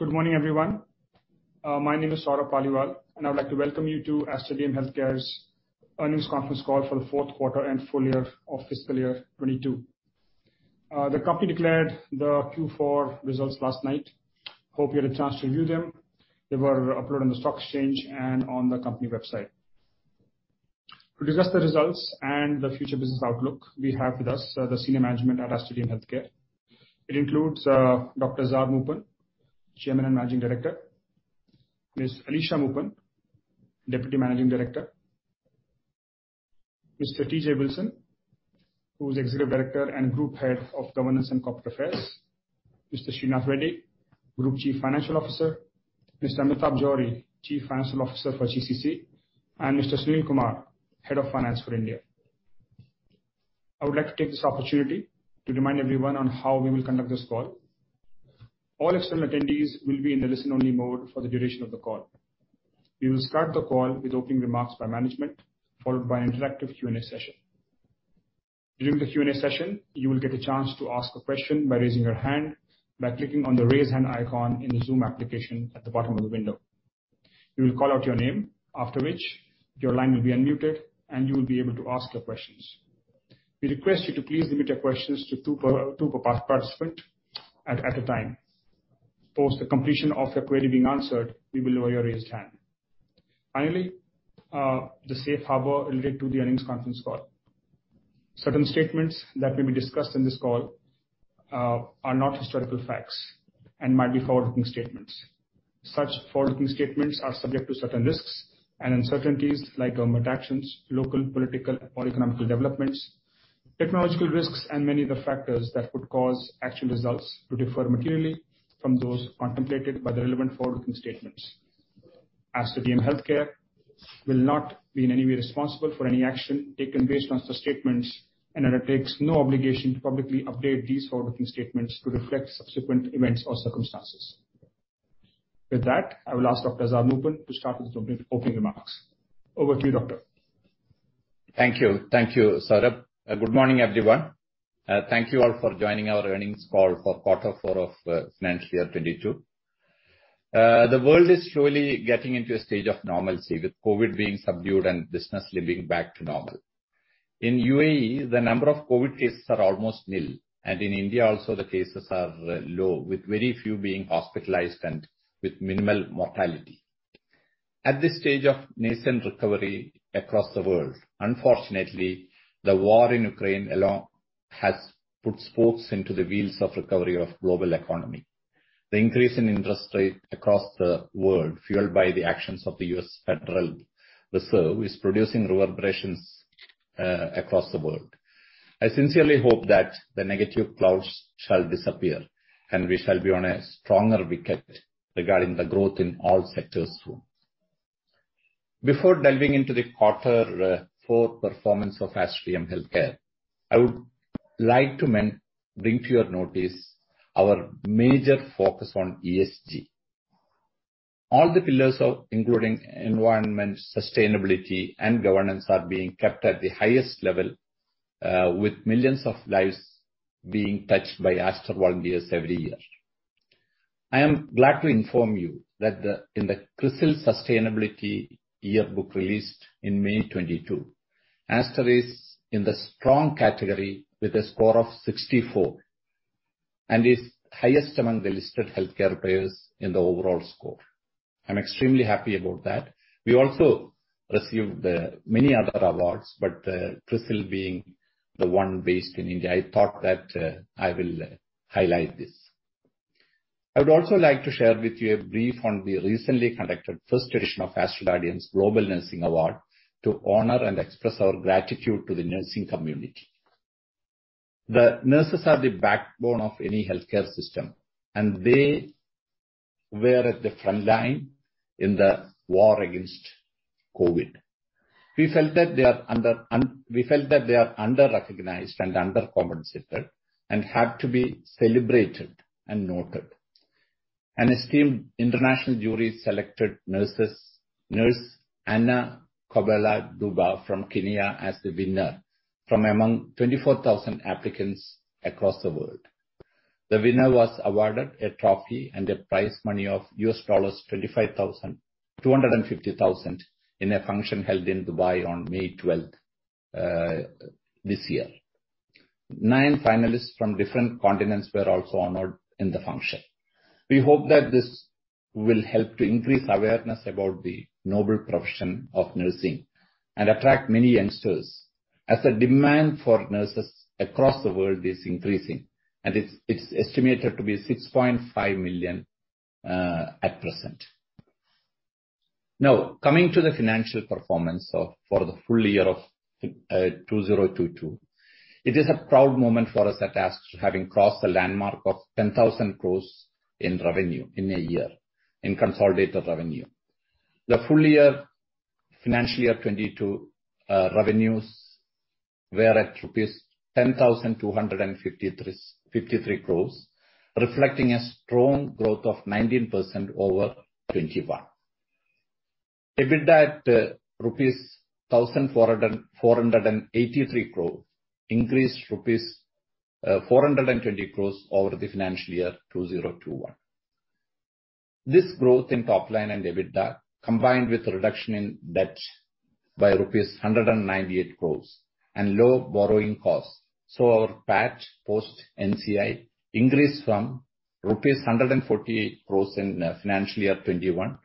Good morning, everyone. My name is Saurabh Paliwal, and I would like to welcome you to Aster DM Healthcare's earnings conference call for the fourth quarter and full year of fiscal year 2022. The company declared the Q4 results last night. Hope you had a chance to review them. They were uploaded on the stock exchange and on the company website. To discuss the results and the future business outlook, we have with us, the senior management at Aster DM Healthcare. It includes, Dr. Azad Moopen, Chairman and Managing Director. Ms. Alisha Moopen, Deputy Managing Director. Mr. T.J. Wilson, who is Executive Director and Group Head of Governance and Corporate Affairs. Mr. Sreenath Reddy, Group Chief Financial Officer. Mr. Amitabh Johri, Chief Financial Officer for GCC, and Mr. Sunil Kumar, Head of Finance for India. I would like to take this opportunity to remind everyone on how we will conduct this call. All external attendees will be in the listen-only mode for the duration of the call. We will start the call with opening remarks by management, followed by an interactive Q&A session. During the Q&A session, you will get a chance to ask a question by raising your hand by clicking on the Raise Hand icon in the zoom application at the bottom of the window. We will call out your name, after which your line will be unmuted, and you will be able to ask your questions. We request you to please limit your questions to two per participant at a time. Post the completion of your query being answered, we will lower your raised hand. Finally, the safe harbor related to the earnings conference call. Certain statements that may be discussed in this call are not historical facts and might be forward-looking statements. Such forward-looking statements are subject to certain risks and uncertainties like government actions, local political or economic developments, technological risks, and many of the factors that could cause actual results to differ materially from those contemplated by the relevant forward-looking statements. Aster DM Healthcare will not be in any way responsible for any action taken based on such statements and undertakes no obligation to publicly update these forward-looking statements to reflect subsequent events or circumstances. With that, I will ask Dr. Azad Moopen to start with the opening remarks. Over to you, doctor. Thank you. Thank you, Saurabh. Good morning, everyone. Thank you all for joining our earnings call for quarter four of financial year 2022. The world is slowly getting into a stage of normalcy, with COVID being subdued and business living back to normal. In UAE, the number of COVID cases are almost nil, and in India also the cases are low, with very few being hospitalized and with minimal mortality. At this stage of nascent recovery across the world, unfortunately, the war in Ukraine alone has put spokes into the wheels of recovery of global economy. The increase in interest rate across the world, fueled by the actions of the U.S. Federal Reserve, is producing reverberations across the world. I sincerely hope that the negative clouds shall disappear, and we shall be on a stronger wicket regarding the growth in all sectors soon. Before delving into the quarter four performance of Aster DM Healthcare, I would like to bring to your notice our major focus on ESG. All the pillars of including environment, sustainability and governance are being kept at the highest level, with millions of lives being touched by Aster volunteers every year. I am glad to inform you that the, in the CRISIL Sustainability Yearbook released in May 2022, Aster is in the strong category with a score of 64 and is highest among the listed healthcare players in the overall score. I'm extremely happy about that. We also received many other awards, but, Crisil being the one based in India, I thought that, I will highlight this. I would also like to share with you a brief on the recently conducted first edition of Aster Guardians Global Nursing Award to honor and express our gratitude to the nursing community. The nurses are the backbone of any healthcare system, and they were at the frontline in the war against COVID. We felt that they are underrecognized and undercompensated and had to be celebrated and noted. An esteemed international jury selected nurse Anna Qabale Duba from Kenya as the winner from among 24,000 applicants across the world. The winner was awarded a trophy and a prize money of $250,000 in a function held in Dubai on May 12 this year. Nine finalists from different continents were also honored in the function. We hope that this will help to increase awareness about the noble profession of nursing and attract many youngsters as the demand for nurses across the world is increasing, and it's estimated to be 6.5 million at present. Now, coming to the financial performance for the full year of 2022. It is a proud moment for us at Aster having crossed the landmark of 10,000 crores in revenue in a year, in consolidated revenue. The full year financial year 2022 revenues were at rupees 10,253.53 crores, reflecting a strong growth of 19% over 2021. EBITDA at rupees 1,483 crores increased rupees 420 crores over the financial year 2021. This growth in top line and EBITDA, combined with reduction in debt by rupees 198 crores and low borrowing costs. Our PAT post NCI increased from INR 148 crores in financial year 2021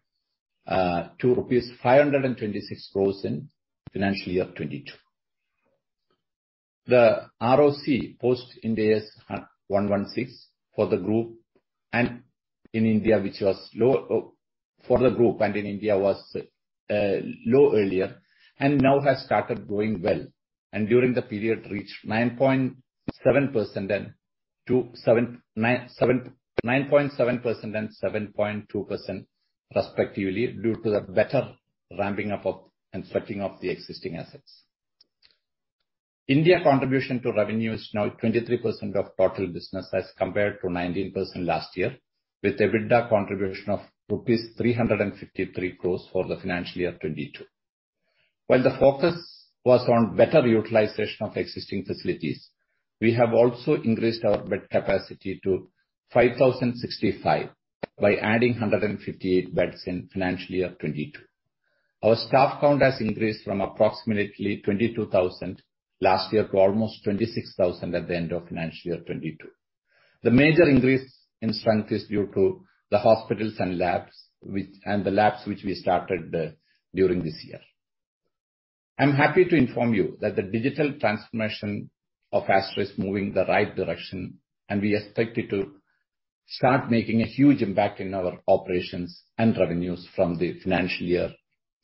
to rupees 526 crores in financial year 2022. The ROC post Ind AS 116 for the group and in India was low earlier and now has started doing well, and during the period reached 9.7% and 7.2% respectively due to the better ramping up of and setting up the existing assets. India contribution to revenue is now 23% of total business as compared to 19% last year, with EBITDA contribution of rupees 353 crores for the financial year 2022. While the focus was on better utilization of existing facilities, we have also increased our bed capacity to 5,065 by adding 158 beds in financial year 2022. Our staff count has increased from approximately 22,000 last year to almost 26,000 at the end of financial year 2022. The major increase in strength is due to the hospitals and labs which we started during this year. I'm happy to inform you that the digital transformation of Aster is moving the right direction, and we expect it to start making a huge impact in our operations and revenues from the financial year,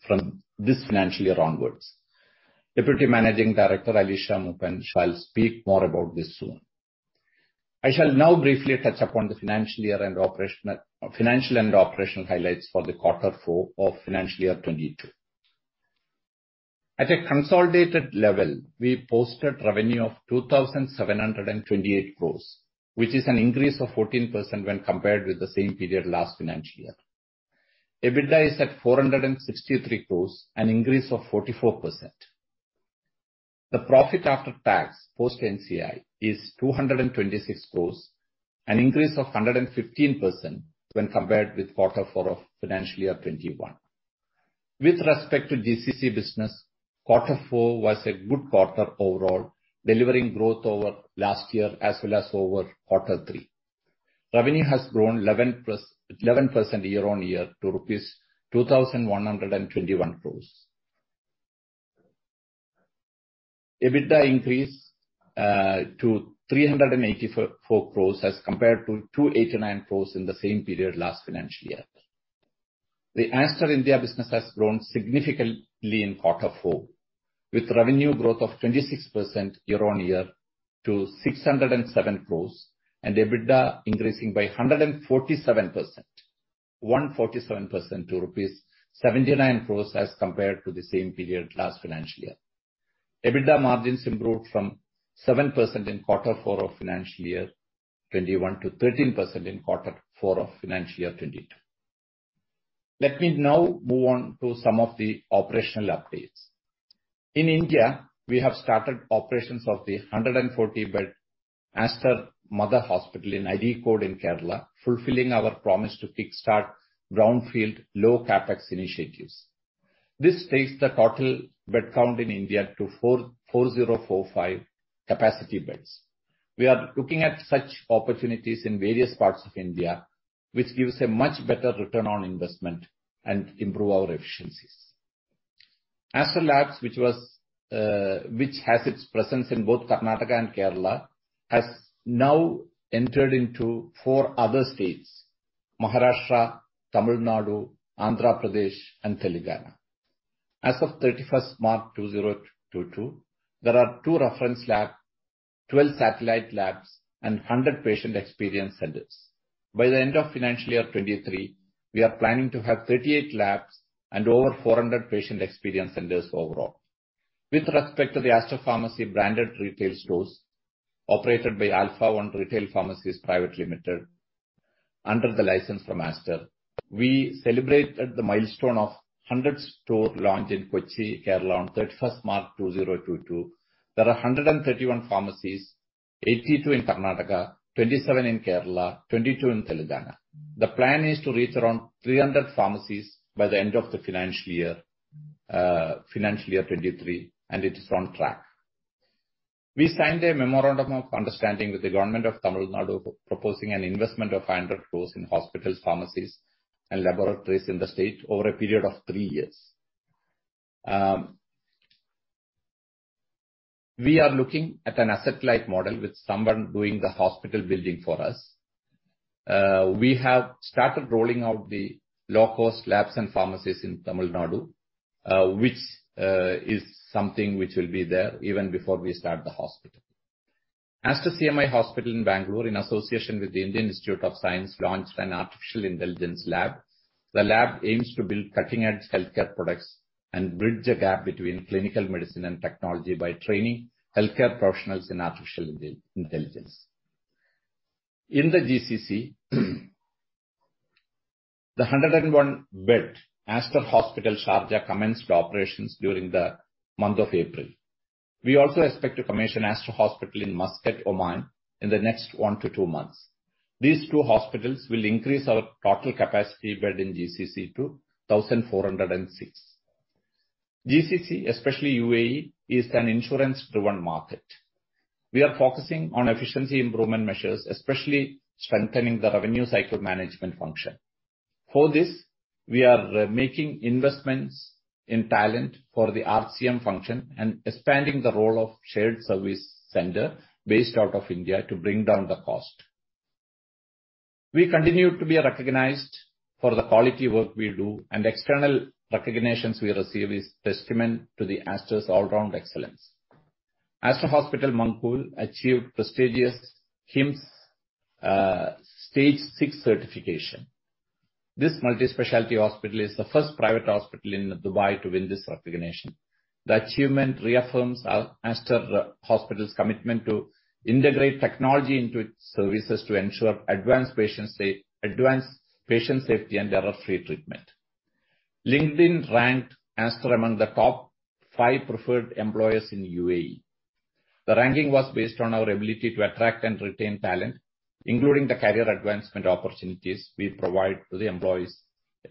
from this financial year onwards. Deputy Managing Director Alisha Moopen shall speak more about this soon. I shall now briefly touch upon the financial and operational highlights for quarter four of financial year 2022. At a consolidated level, we posted revenue of 2,728 crore, which is an increase of 14% when compared with the same period last financial year. EBITDA is at 463 crore, an increase of 44%. The profit after tax post NCI is 226 crore, an increase of 115% when compared with quarter four of financial year 2021. With respect to GCC business, quarter four was a good quarter overall, delivering growth over last year as well as over quarter three. Revenue has grown 11% year-on-year to INR 2,121 crore. EBITDA increased to 384 crore as compared to 289 crore in the same period last financial year. The Aster India business has grown significantly in quarter four, with revenue growth of 26% year on year to 607 crores, and EBITDA increasing by 147% to rupees 79 crores as compared to the same period last financial year. EBITDA margins improved from 7% in quarter four of financial year 2021 to 13% in quarter four of financial year 2022. Let me now move on to some of the operational updates. In India, we have started operations of the 140-bed Aster Mother Hospital in Areekode in Kerala, fulfilling our promise to kick-start brownfield low CapEx initiatives. This takes the total bed count in India to 4,405 capacity beds. We are looking at such opportunities in various parts of India, which gives a much better return on investment and improve our efficiencies. Aster Labs, which has its presence in both Karnataka and Kerala, has now entered into four other states, Maharashtra, Tamil Nadu, Andhra Pradesh and Telangana. As of 31st March 2022, there are two reference labs, 12 satellite labs, and 100 patient experience centers. By the end of financial year 2023, we are planning to have 38 labs and over 400 patient experience centers overall. With respect to the Aster Pharmacy branded retail stores operated by Alfa One Retail Pharmacies Private Limited under the license from Aster, we celebrated the milestone of 100 store launch in Kochi, Kerala on 31st March 2022. There are 131 pharmacies, 82 in Karnataka, 27 in Kerala, 22 in Telangana. The plan is to reach around 300 pharmacies by the end of the financial year 2023, and it is on track. We signed a memorandum of understanding with the government of Tamil Nadu proposing an investment of 100 crore in hospitals, pharmacies and laboratories in the state over a period of three years. We are looking at an asset-light model with someone doing the hospital building for us. We have started rolling out the low cost labs and pharmacies in Tamil Nadu, which is something which will be there even before we start the hospital. Aster CMI Hospital in Bangalore, in association with the Indian Institute of Science, launched an artificial intelligence lab. The lab aims to build cutting-edge healthcare products and bridge the gap between clinical medicine and technology by training healthcare professionals in artificial intelligence. In the GCC, the 101-bed Aster Hospital, Sharjah commenced operations during the month of April. We also expect to commission Aster Hospital in Muscat, Oman in the next one to two months. These two hospitals will increase our total capacity bed in GCC to 1,406. GCC, especially UAE, is an insurance-driven market. We are focusing on efficiency improvement measures, especially strengthening the revenue cycle management function. For this, we are making investments in talent for the RCM function and expanding the role of shared service center based out of India to bring down the cost. We continue to be recognized for the quality work we do, and external recognitions we receive is testament to the Aster's all-round excellence. Aster Hospital, Mankhool achieved prestigious HIMSS stage six certification. This multi-specialty hospital is the first private hospital in Dubai to win this recognition. The achievement reaffirms Aster Hospital's commitment to integrate technology into its services to ensure advanced patient safety and error-free treatment. LinkedIn ranked Aster among the top five preferred employers in UAE. The ranking was based on our ability to attract and retain talent, including the career advancement opportunities we provide to the employees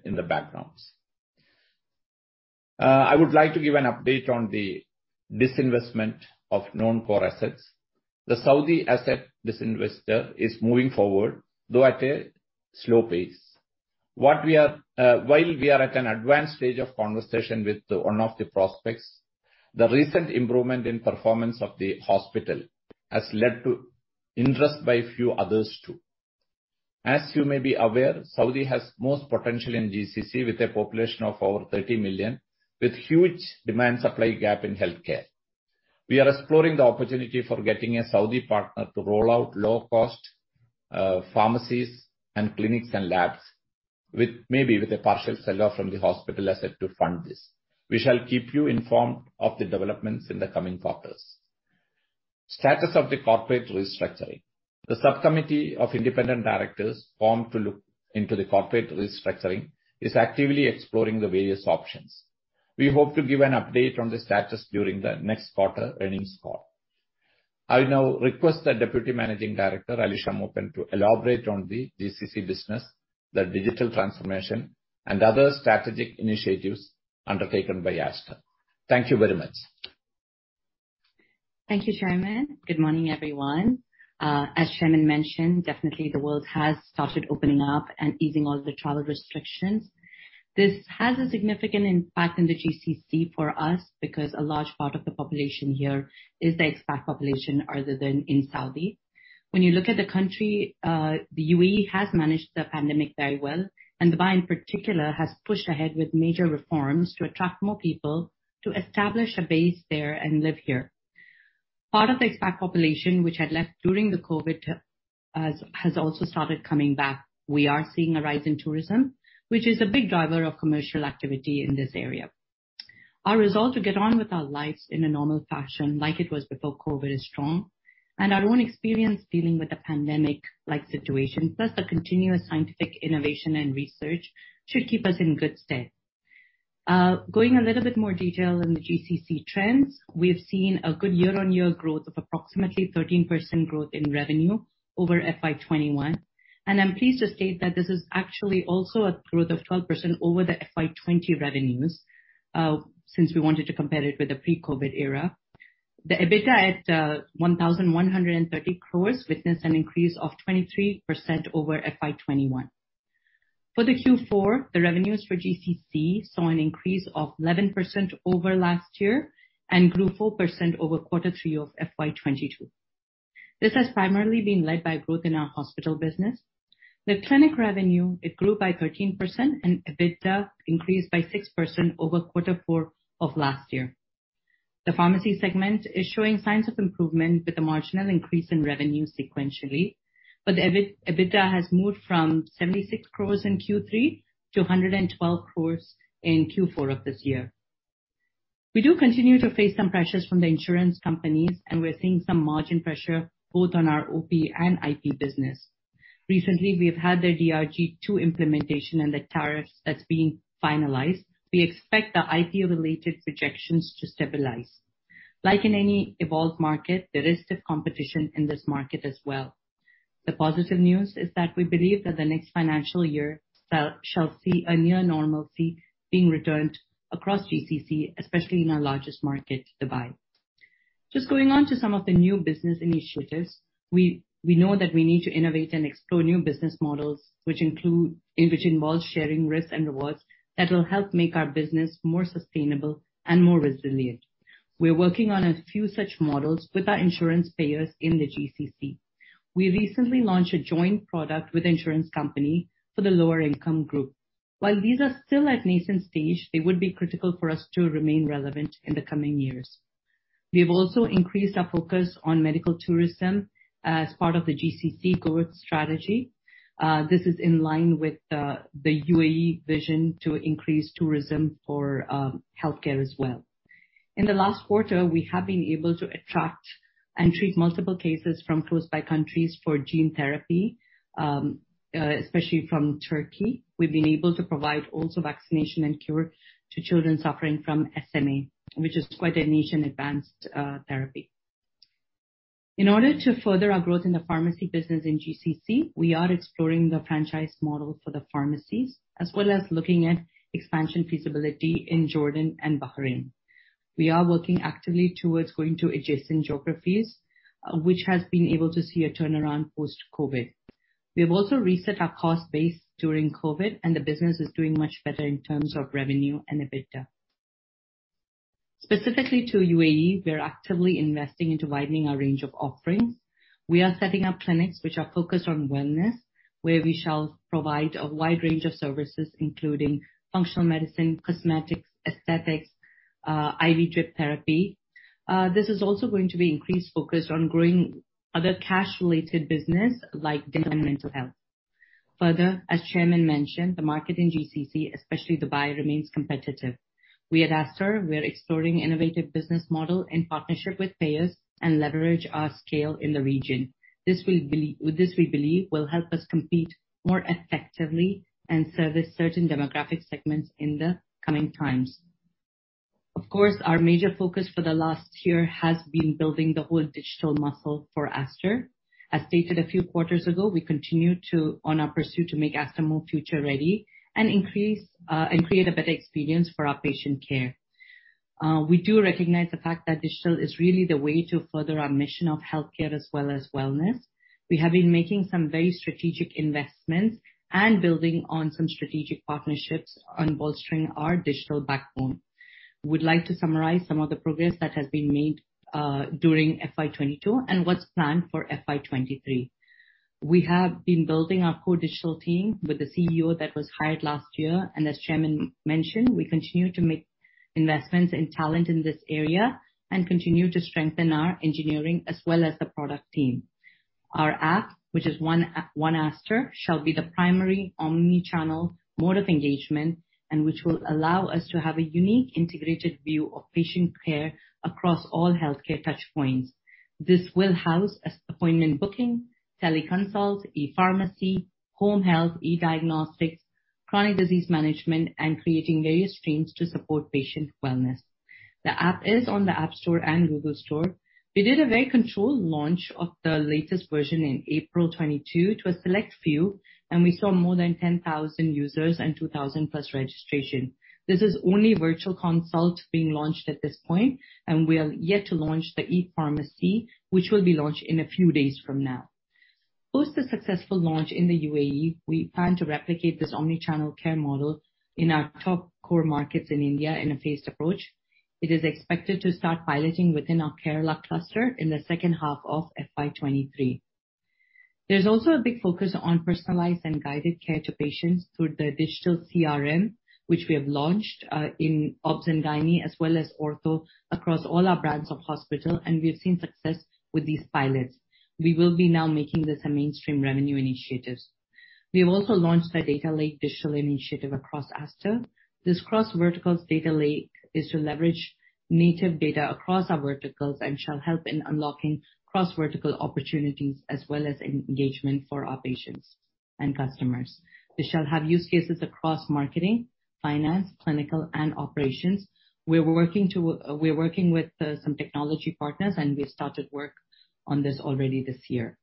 in the backgrounds. I would like to give an update on the disinvestment of non-core assets. The Saudi asset divestiture is moving forward, though at a slow pace. While we are at an advanced stage of conversation with one of the prospects, the recent improvement in performance of the hospital has led to interest by a few others, too. As you may be aware, Saudi has most potential in GCC, with a population of over 30 million, with huge demand-supply gap in healthcare. We are exploring the opportunity for getting a Saudi partner to roll out low cost pharmacies and clinics and labs with, maybe with a partial sell-off from the hospital asset to fund this. We shall keep you informed of the developments in the coming quarters. Status of the corporate restructuring. The subcommittee of independent directors formed to look into the corporate restructuring is actively exploring the various options. We hope to give an update on the status during the next quarter earnings call. I now request the Deputy Managing Director, Alisha Moopen, to elaborate on the GCC business, the digital transformation, and other strategic initiatives undertaken by Aster. Thank you very much. Thank you, Chairman. Good morning, everyone. As Chairman mentioned, definitely the world has started opening up and easing all the travel restrictions. This has a significant impact in the GCC for us because a large part of the population here is the expat population, rather than in Saudi. When you look at the country, the UAE has managed the pandemic very well, and Dubai in particular has pushed ahead with major reforms to attract more people to establish a base there and live here. Part of the expat population which had left during the COVID has also started coming back. We are seeing a rise in tourism, which is a big driver of commercial activity in this area. Our resolve to get on with our lives in a normal fashion like it was before COVID is strong, and our own experience dealing with a pandemic-like situation, plus the continuous scientific innovation and research, should keep us in good stead. Going into a little bit more detail in the GCC trends, we have seen a good year-on-year growth of approximately 13% in revenue over FY 2021. I'm pleased to state that this is actually also a growth of 12% over the FY 2020 revenues, since we wanted to compare it with the pre-COVID era. The EBITDA at 1,130 crores witnessed an increase of 23% over FY 2021. For the Q4, the revenues for GCC saw an increase of 11% over last year and grew 4% over quarter three of FY 2022. This has primarily been led by growth in our hospital business. The clinic revenue, it grew by 13%, and EBITDA increased by 6% over quarter four of last year. The pharmacy segment is showing signs of improvement with a marginal increase in revenue sequentially, but the EBITDA has moved from 76 crore in Q3 to 112 crore in Q4 of this year. We do continue to face some pressures from the insurance companies, and we're seeing some margin pressure both on our OP and IP business. Recently, we've had the DRG-2 implementation and the tariffs that's being finalized. We expect the IP-related rejections to stabilize. Like in any evolved market, there is stiff competition in this market as well. The positive news is that we believe that the next financial year shall see a near normalcy being returned across GCC, especially in our largest market, Dubai. Just going on to some of the new business initiatives, we know that we need to innovate and explore new business models which involves sharing risks and rewards that will help make our business more sustainable and more resilient. We're working on a few such models with our insurance payers in the GCC. We recently launched a joint product with insurance company for the lower income group. While these are still at nascent stage, they would be critical for us to remain relevant in the coming years. We've also increased our focus on medical tourism as part of the GCC growth strategy. This is in line with the UAE vision to increase tourism for healthcare as well. In the last quarter, we have been able to attract and treat multiple cases from close by countries for gene therapy, especially from Turkey. We've been able to provide also vaccination and cure to children suffering from SMA, which is quite a niche and advanced therapy. In order to further our growth in the pharmacy business in GCC, we are exploring the franchise model for the pharmacies, as well as looking at expansion feasibility in Jordan and Bahrain. We are working actively towards going to adjacent geographies, which has been able to see a turnaround post-COVID. We have also reset our cost base during COVID, and the business is doing much better in terms of revenue and EBITDA. Specifically to UAE, we are actively investing into widening our range of offerings. We are setting up clinics which are focused on wellness, where we shall provide a wide range of services, including functional medicine, cosmetics, aesthetics, IV drip therapy. This is also going to be increased focus on growing other cash-related business like dental and mental health. Further, as chairman mentioned, the market in GCC, especially Dubai, remains competitive. We at Aster, we are exploring innovative business model in partnership with payers and leverage our scale in the region. This we believe will help us compete more effectively and service certain demographic segments in the coming times. Of course, our major focus for the last year has been building the whole digital muscle for Aster. As stated a few quarters ago, we continue to. On our pursuit to make Aster more future-ready and increase and create a better experience for our patient care. We do recognize the fact that digital is really the way to further our mission of healthcare as well as wellness. We have been making some very strategic investments and building on some strategic partnerships on bolstering our digital backbone. We'd like to summarize some of the progress that has been made during FY 2022 and what's planned for FY 2023. We have been building our core digital team with a CEO that was hired last year. As chairman mentioned, we continue to make investments in talent in this area and continue to strengthen our engineering as well as the product team. Our app, which is myAster, shall be the primary omni-channel mode of engagement and which will allow us to have a unique integrated view of patient care across all healthcare touchpoints. This will house appointment booking, teleconsults, e-pharmacy, home health, e-diagnostics, chronic disease management, and creating various streams to support patient wellness. The app is on the App Store and Google Play Store. We did a very controlled launch of the latest version in April 2022 to a select few, and we saw more than 10,000 users and 2,000+ registrations. This is only virtual consult being launched at this point, and we are yet to launch the e-pharmacy, which will be launched in a few days from now. Post the successful launch in the UAE, we plan to replicate this omni-channel care model in our top core markets in India in a phased approach. It is expected to start piloting within our Kerala cluster in the second half of FY 2023. There's also a big focus on personalized and guided care to patients through the digital CRM, which we have launched in obs and gynae, as well as ortho across all our brands of hospital, and we have seen success with these pilots. We will be now making this a mainstream revenue initiatives. We have also launched a data lake digital initiative across Aster. This cross-vertical data lake is to leverage native data across our verticals and shall help in unlocking cross-vertical opportunities as well as engagement for our patients and customers. This shall have use cases across marketing, finance, clinical, and operations. We're working with some technology partners, and we started work on this already this year.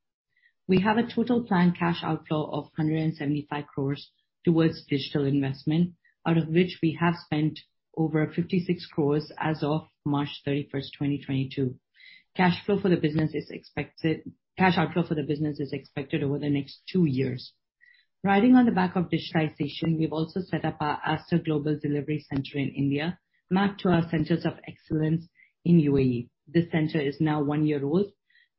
We have a total planned cash outflow of 175 crore towards digital investment, out of which we have spent over 56 crore as of March 31, 2022. Cash outflow for the business is expected over the next two years. Riding on the back of digitalization, we've also set up our Aster Global Delivery Center in India, mapped to our centers of excellence in UAE. This center is now one year old.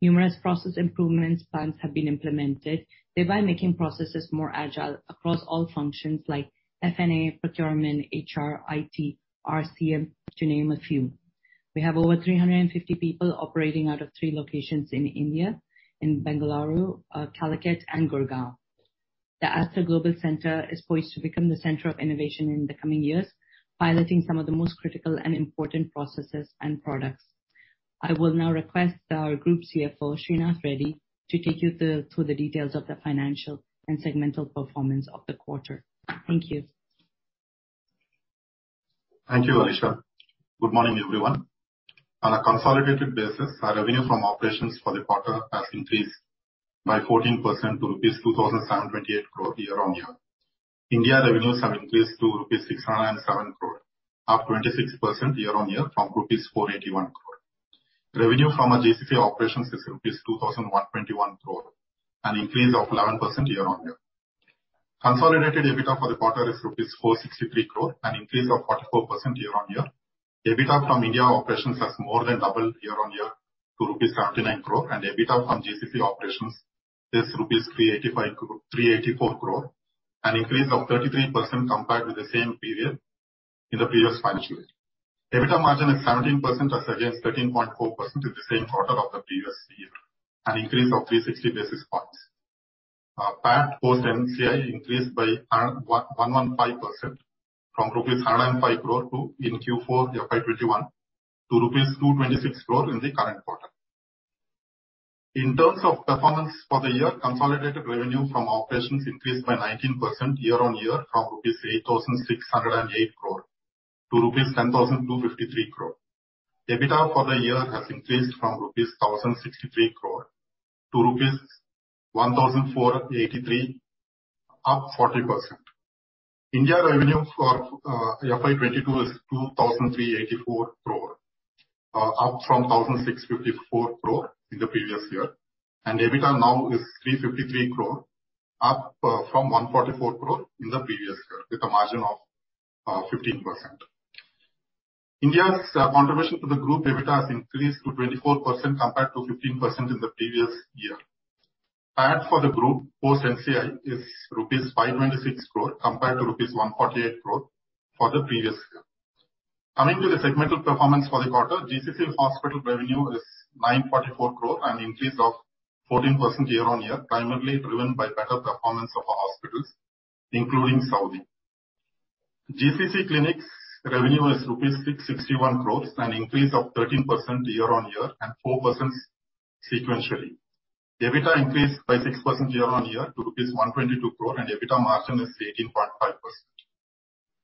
Numerous process improvements plans have been implemented, thereby making processes more agile across all functions like F&A, procurement, HR, IT, RCM, to name a few. We have over 350 people operating out of three locations in India, in Bengaluru, Calicut, and Gurgaon. The Aster Global Center is poised to become the center of innovation in the coming years, piloting some of the most critical and important processes and products. I will now request our Group CFO, Sreenath Reddy, to take you through the details of the financial and segmental performance of the quarter. Thank you. Thank you, Alisha. Good morning, everyone. On a consolidated basis, our revenue from operations for the quarter has increased by 14% to rupees 2,728 crore year-on-year. India revenues have increased to rupees 607 crore, up 26% year-on-year from rupees 481 crore. Revenue from our GCC operations is rupees 2,121 crore, an increase of 11% year-on-year. Consolidated EBITDA for the quarter is INR 463 crore, an increase of 44% year-on-year. EBITDA from India operations has more than doubled year-on-year to rupees 79 crore, and EBITDA from GCC operations is rupees 384 crore, an increase of 33% compared with the same period in the previous financial year. EBITDA margin is 17% as against 13.4% in the same quarter of the previous year, an increase of 360 basis points. PAT post NCI increased by 115% from rupees 105 crore in Q4 FY 2021 to rupees 226 crore in the current quarter. In terms of performance for the year, consolidated revenue from operations increased by 19% year-on-year from 8,608 crore-10,253 crore rupees. EBITDA for the year has increased from 1,063 crore-1,483 crore rupees, up 40%. India revenue for FY 2022 is 2,384 crore, up from 1,654 crore in the previous year. EBITDA now is 353 crore, up from 144 crore in the previous year with a margin of 15%. India's contribution to the group EBITDA has increased to 24% compared to 15% in the previous year. PAT for the group post NCI is rupees 526 crore compared to rupees 148 crore for the previous year. Coming to the segmental performance for the quarter, GCC hospital revenue is 944 crore, an increase of 14% year-over-year, primarily driven by better performance of our hospitals, including Saudi. GCC clinics revenue is rupees 661 crore, an increase of 13% year-over-year and 4% sequentially. EBITDA increased by 6% year-over-year to rupees 122 crore and EBITDA margin is 18.5%.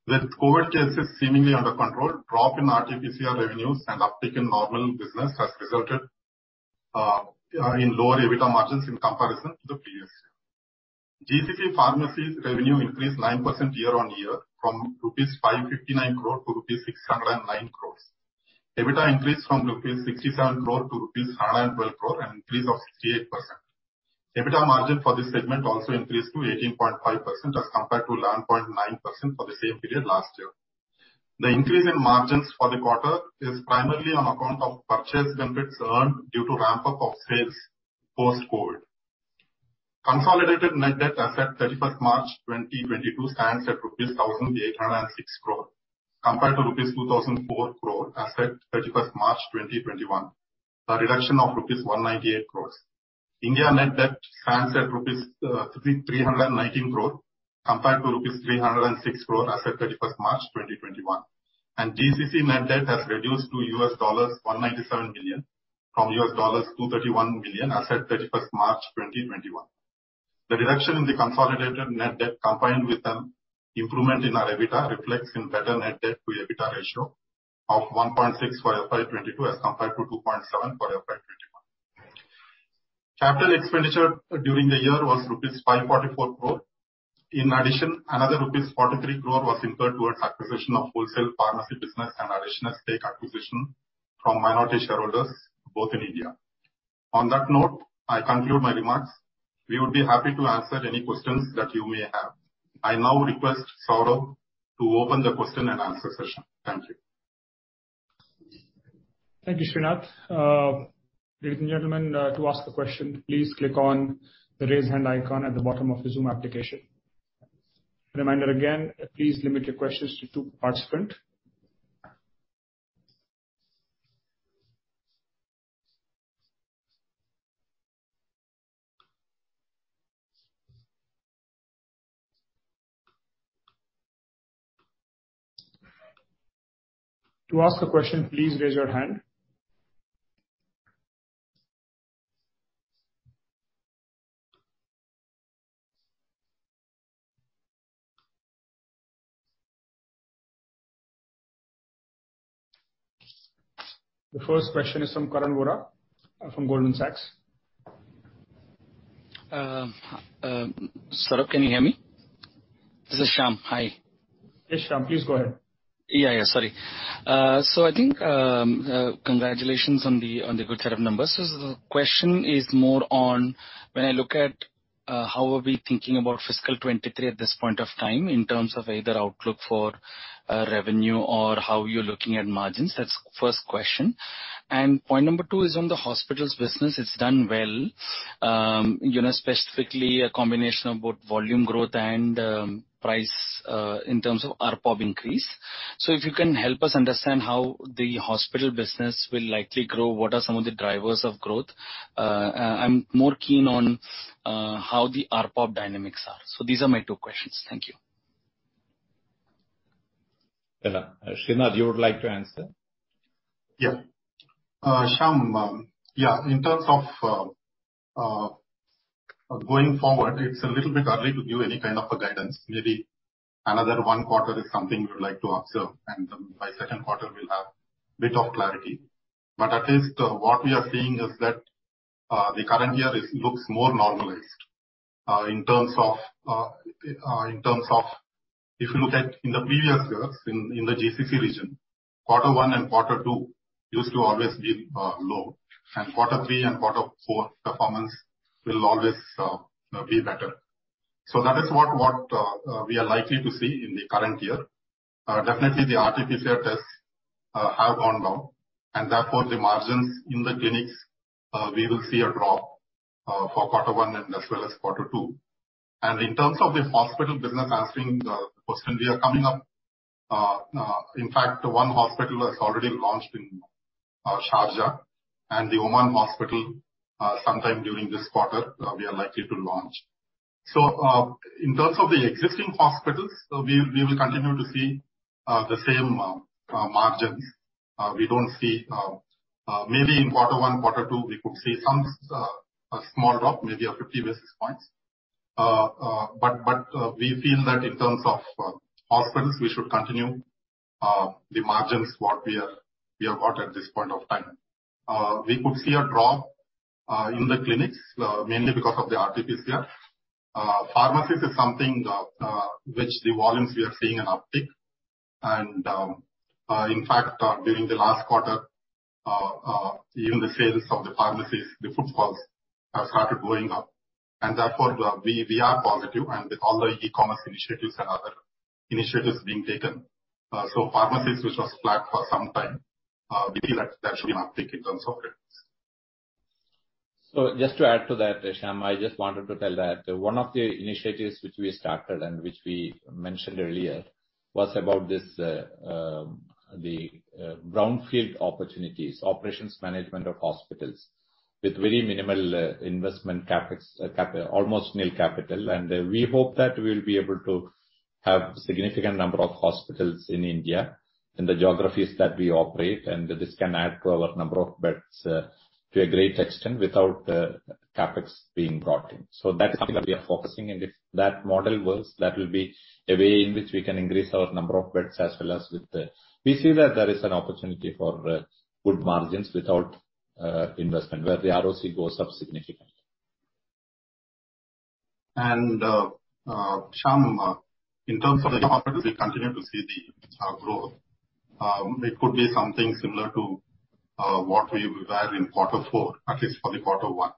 With COVID cases seemingly under control, drop in RTPCR revenues and uptick in normal business has resulted in lower EBITDA margins in comparison to the previous year. GCC pharmacies revenue increased 9% year-on-year from rupees 559 crore to rupees 609 crore. EBITDA increased from 67 crore-112 crore rupees, an increase of 68%. EBITDA margin for this segment also increased to 18.5% as compared to 9.9% for the same period last year. The increase in margins for the quarter is primarily on account of purchase benefits earned due to ramp up of sales post COVID. Consolidated net debt as at 31st March 2022 stands at INR 1,806 crore compared to INR 2,004 crore as at 31st March 2021. A reduction of INR 198 crore. India net debt stands at INR 319 crore compared to INR 306 crore as at 31st March 2021. GCC net debt has reduced to $197 million from $231 million as at 31st March 2021. The reduction in the consolidated net debt combined with an improvement in our EBITDA reflects in better net debt to EBITDA ratio of 1.6 for FY 2022 as compared to 2.7 for FY 2021. Capital expenditure during the year was rupees 544 crore. In addition, another rupees 43 crore was incurred towards acquisition of wholesale pharmacy business and additional stake acquisition from minority shareholders, both in India. On that note, I conclude my remarks. We would be happy to answer any questions that you may have. I now request Saurabh to open the question and answer session. Thank you. Thank you, Sreenath. Ladies and gentlemen, to ask a question, please click on the raise hand icon at the bottom of the zoom application. Reminder again, please limit your questions to two per participant. To ask a question, please raise your hand. The first question is from Karan Vora from Goldman Sachs. Saurabh, can you hear me? This is Shyam. Hi. Yes, Shyam. Please go ahead. Yeah, sorry. I think, congratulations on the good set of numbers. The question is more on when I look at, how are we thinking about fiscal 2023 at this point of time in terms of either outlook for, revenue or how you're looking at margins. That's first question. Point number two is on the hospitals business. It's done well. You know, specifically a combination of both volume growth and, price, in terms of ARPOB increase. If you can help us understand how the hospital business will likely grow, what are some of the drivers of growth? I'm more keen on, how the ARPOB dynamics are. These are my two questions. Thank you. Sreenath, you would like to answer? Yeah. Shyam, yeah, in terms of going forward, it's a little bit early to give any kind of a guidance. Maybe another one quarter is something we would like to observe, and by second quarter we'll have a bit of clarity. At least, what we are seeing is that the current year looks more normalized in terms of if you look at the previous years in the GCC region, quarter one and quarter two used to always be low, and quarter three and quarter four performance will always, you know, be better. That is what we are likely to see in the current year. Definitely, the RTPCR tests have gone down, and therefore the margins in the clinics we will see a drop for quarter one and as well as quarter two. In terms of the hospital business answering the question, we are coming up. In fact, one hospital has already launched in Sharjah, and the Oman hospital sometime during this quarter we are likely to launch. In terms of the existing hospitals, we will continue to see the same margins. We don't see, maybe in quarter one, quarter two we could see some a small drop, maybe of 50 basis points. But we feel that in terms of hospitals we should continue the margins what we have got at this point of time. We could see a drop in the clinics mainly because of the RTPCR. Pharmacies is something which the volumes we are seeing an uptick. In fact, during the last quarter, even the sales of the pharmacies, the footfalls have started going up. Therefore, we are positive and with all the e-commerce initiatives and other initiatives being taken. Pharmacies, which was flat for some time, we feel that should now pick in terms of growth. Just to add to that, Shyam, I just wanted to tell that one of the initiatives which we started and which we mentioned earlier was about this, the brown field opportunities, operations management of hospitals, with very minimal investment CapEx, almost nil capital. We hope that we'll be able to have significant number of hospitals in India, in the geographies that we operate. This can add to our number of beds to a great extent without CapEx being brought in. That's something that we are focusing, and if that model works, that will be a way in which we can increase our number of beds as well as with the. We see that there is an opportunity for good margins without investment, where the ROC goes up significantly. Shyam, in terms of the hospitals we continue to see the growth. It could be something similar to what we were at in quarter four, at least for the quarter one.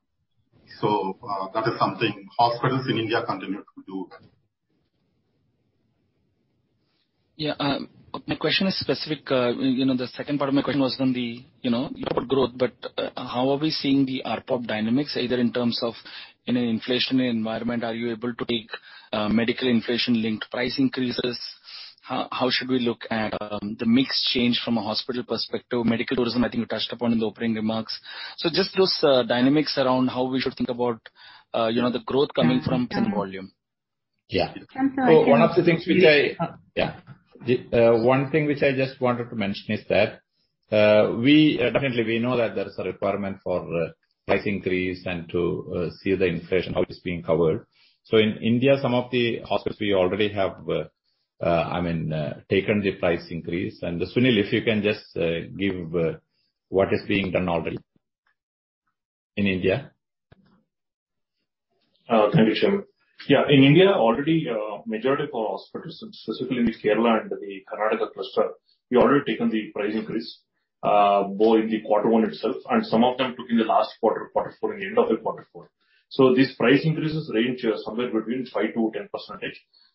That is something hospitals in India continue to do well. Yeah. My question is specific. You know, the second part of my question was on the, you know, your growth, but how are we seeing the ARPOB dynamics, either in terms of in an inflationary environment, are you able to take medical inflation linked price increases? How should we look at the mix change from a hospital perspective? Medical tourism, I think you touched upon in the opening remarks. Just those dynamics around how we should think about, you know, the growth coming from volume. One of the things which I just wanted to mention is that we definitely know that there is a requirement for price increase and to see the inflation, how it's being covered. In India, some of the hospitals we already have, I mean, taken the price increase. Sunil, if you can just give what is being done already in India. Thank you, Shyam. Yeah, in India already, majority of our hospitals, specifically the Kerala and the Karnataka cluster, we've already taken the price increase, both in the quarter one itself and some of them took in the last quarter four, in the end of the quarter four. These price increases range somewhere between 5%-10%,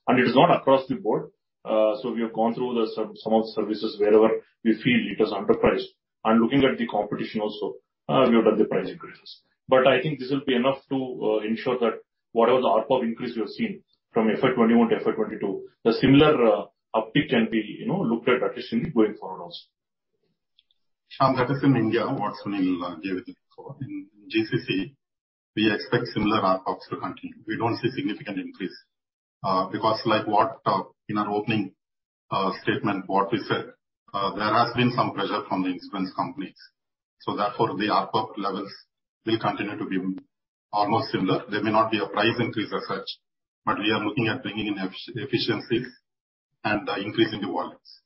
and it is not across the board. We have gone through some of the services wherever we feel it was underpriced. Looking at the competition also, we have done the price increases. I think this will be enough to ensure that whatever the ARPOB increase we have seen from FY 2021 to FY 2022, the similar uptick can be, you know, looked at at least in the way forward also. That is in India what Sunil gave before. In GCC, we expect similar ARPOBs to continue. We don't see significant increase because, like what in our opening statement what we said, there has been some pressure from the insurance companies. The ARPOB levels will continue to be almost similar. There may not be a price increase as such, but we are looking at bringing in efficiency and increasing the volumes.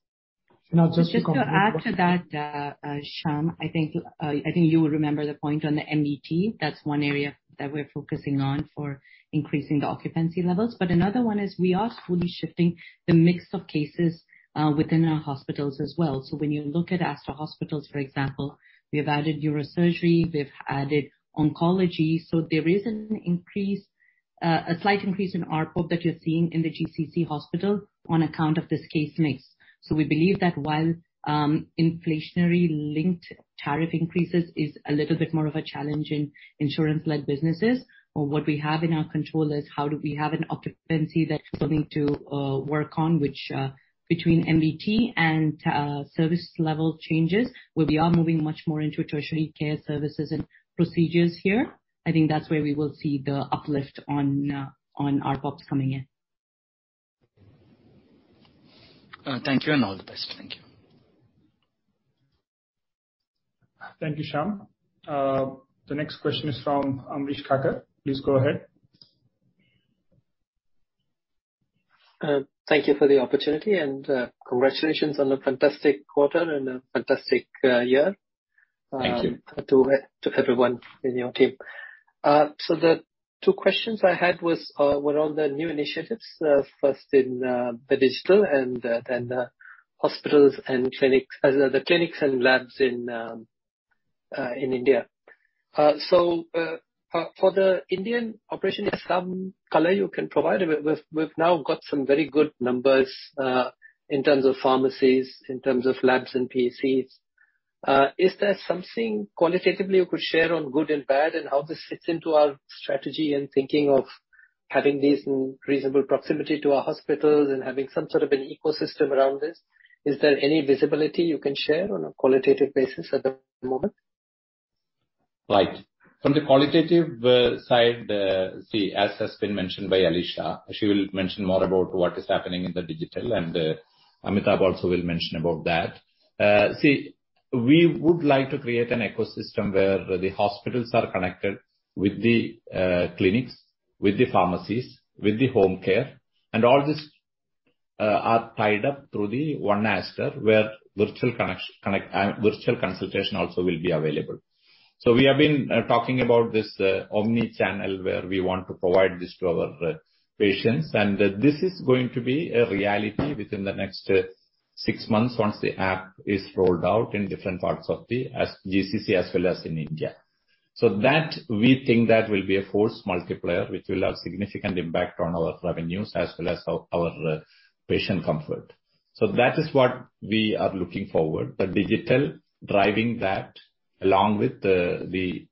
I'll just Just to add to that, Sham, I think you will remember the point on the MDT. That's one area that we're focusing on for increasing the occupancy levels. Another one is we are fully shifting the mix of cases within our hospitals as well. When you look at Aster hospitals, for example, we have added neurosurgery, we've added oncology. There is an increase, a slight increase in ARPOB that you're seeing in the GCC hospital on account of this case mix. We believe that while inflationary linked tariff increases is a little bit more of a challenge in insurance-led businesses, but what we have in our control is how do we have an occupancy that's something to work on, which between MDT and service level changes, where we are moving much more into tertiary care services and procedures here. I think that's where we will see the uplift on ARPOBs coming in. Thank you and all the best. Thank you. Thank you, Shyam. The next question is from Amrish Thakkar. Please go ahead. Thank you for the opportunity and, congratulations on a fantastic quarter and a fantastic year. Thank you. To everyone in your team. The two questions I had were on the new initiatives, first in the digital and then the hospitals and clinics, the clinics and labs in India. For the Indian operation, is there some color you can provide? We've now got some very good numbers in terms of pharmacies, in terms of labs and PCs. Is there something qualitatively you could share on good and bad and how this fits into our strategy and thinking of having these in reasonable proximity to our hospitals and having some sort of an ecosystem around this? Is there any visibility you can share on a qualitative basis at the moment? Right. From the qualitative side, as has been mentioned by Alisha, she will mention more about what is happening in the digital, and Amitabh also will mention about that. We would like to create an ecosystem where the hospitals are connected with the clinics, with the pharmacies, with the home care, and all these are tied up through the one Aster, where virtual consultation also will be available. We have been talking about this omni channel, where we want to provide this to our patients, and this is going to be a reality within the next six months once the app is rolled out in different parts of the GCC as well as in India. That we think that will be a force multiplier, which will have significant impact on our revenues as well as our patient comfort. That is what we are looking forward. The digital driving that along with the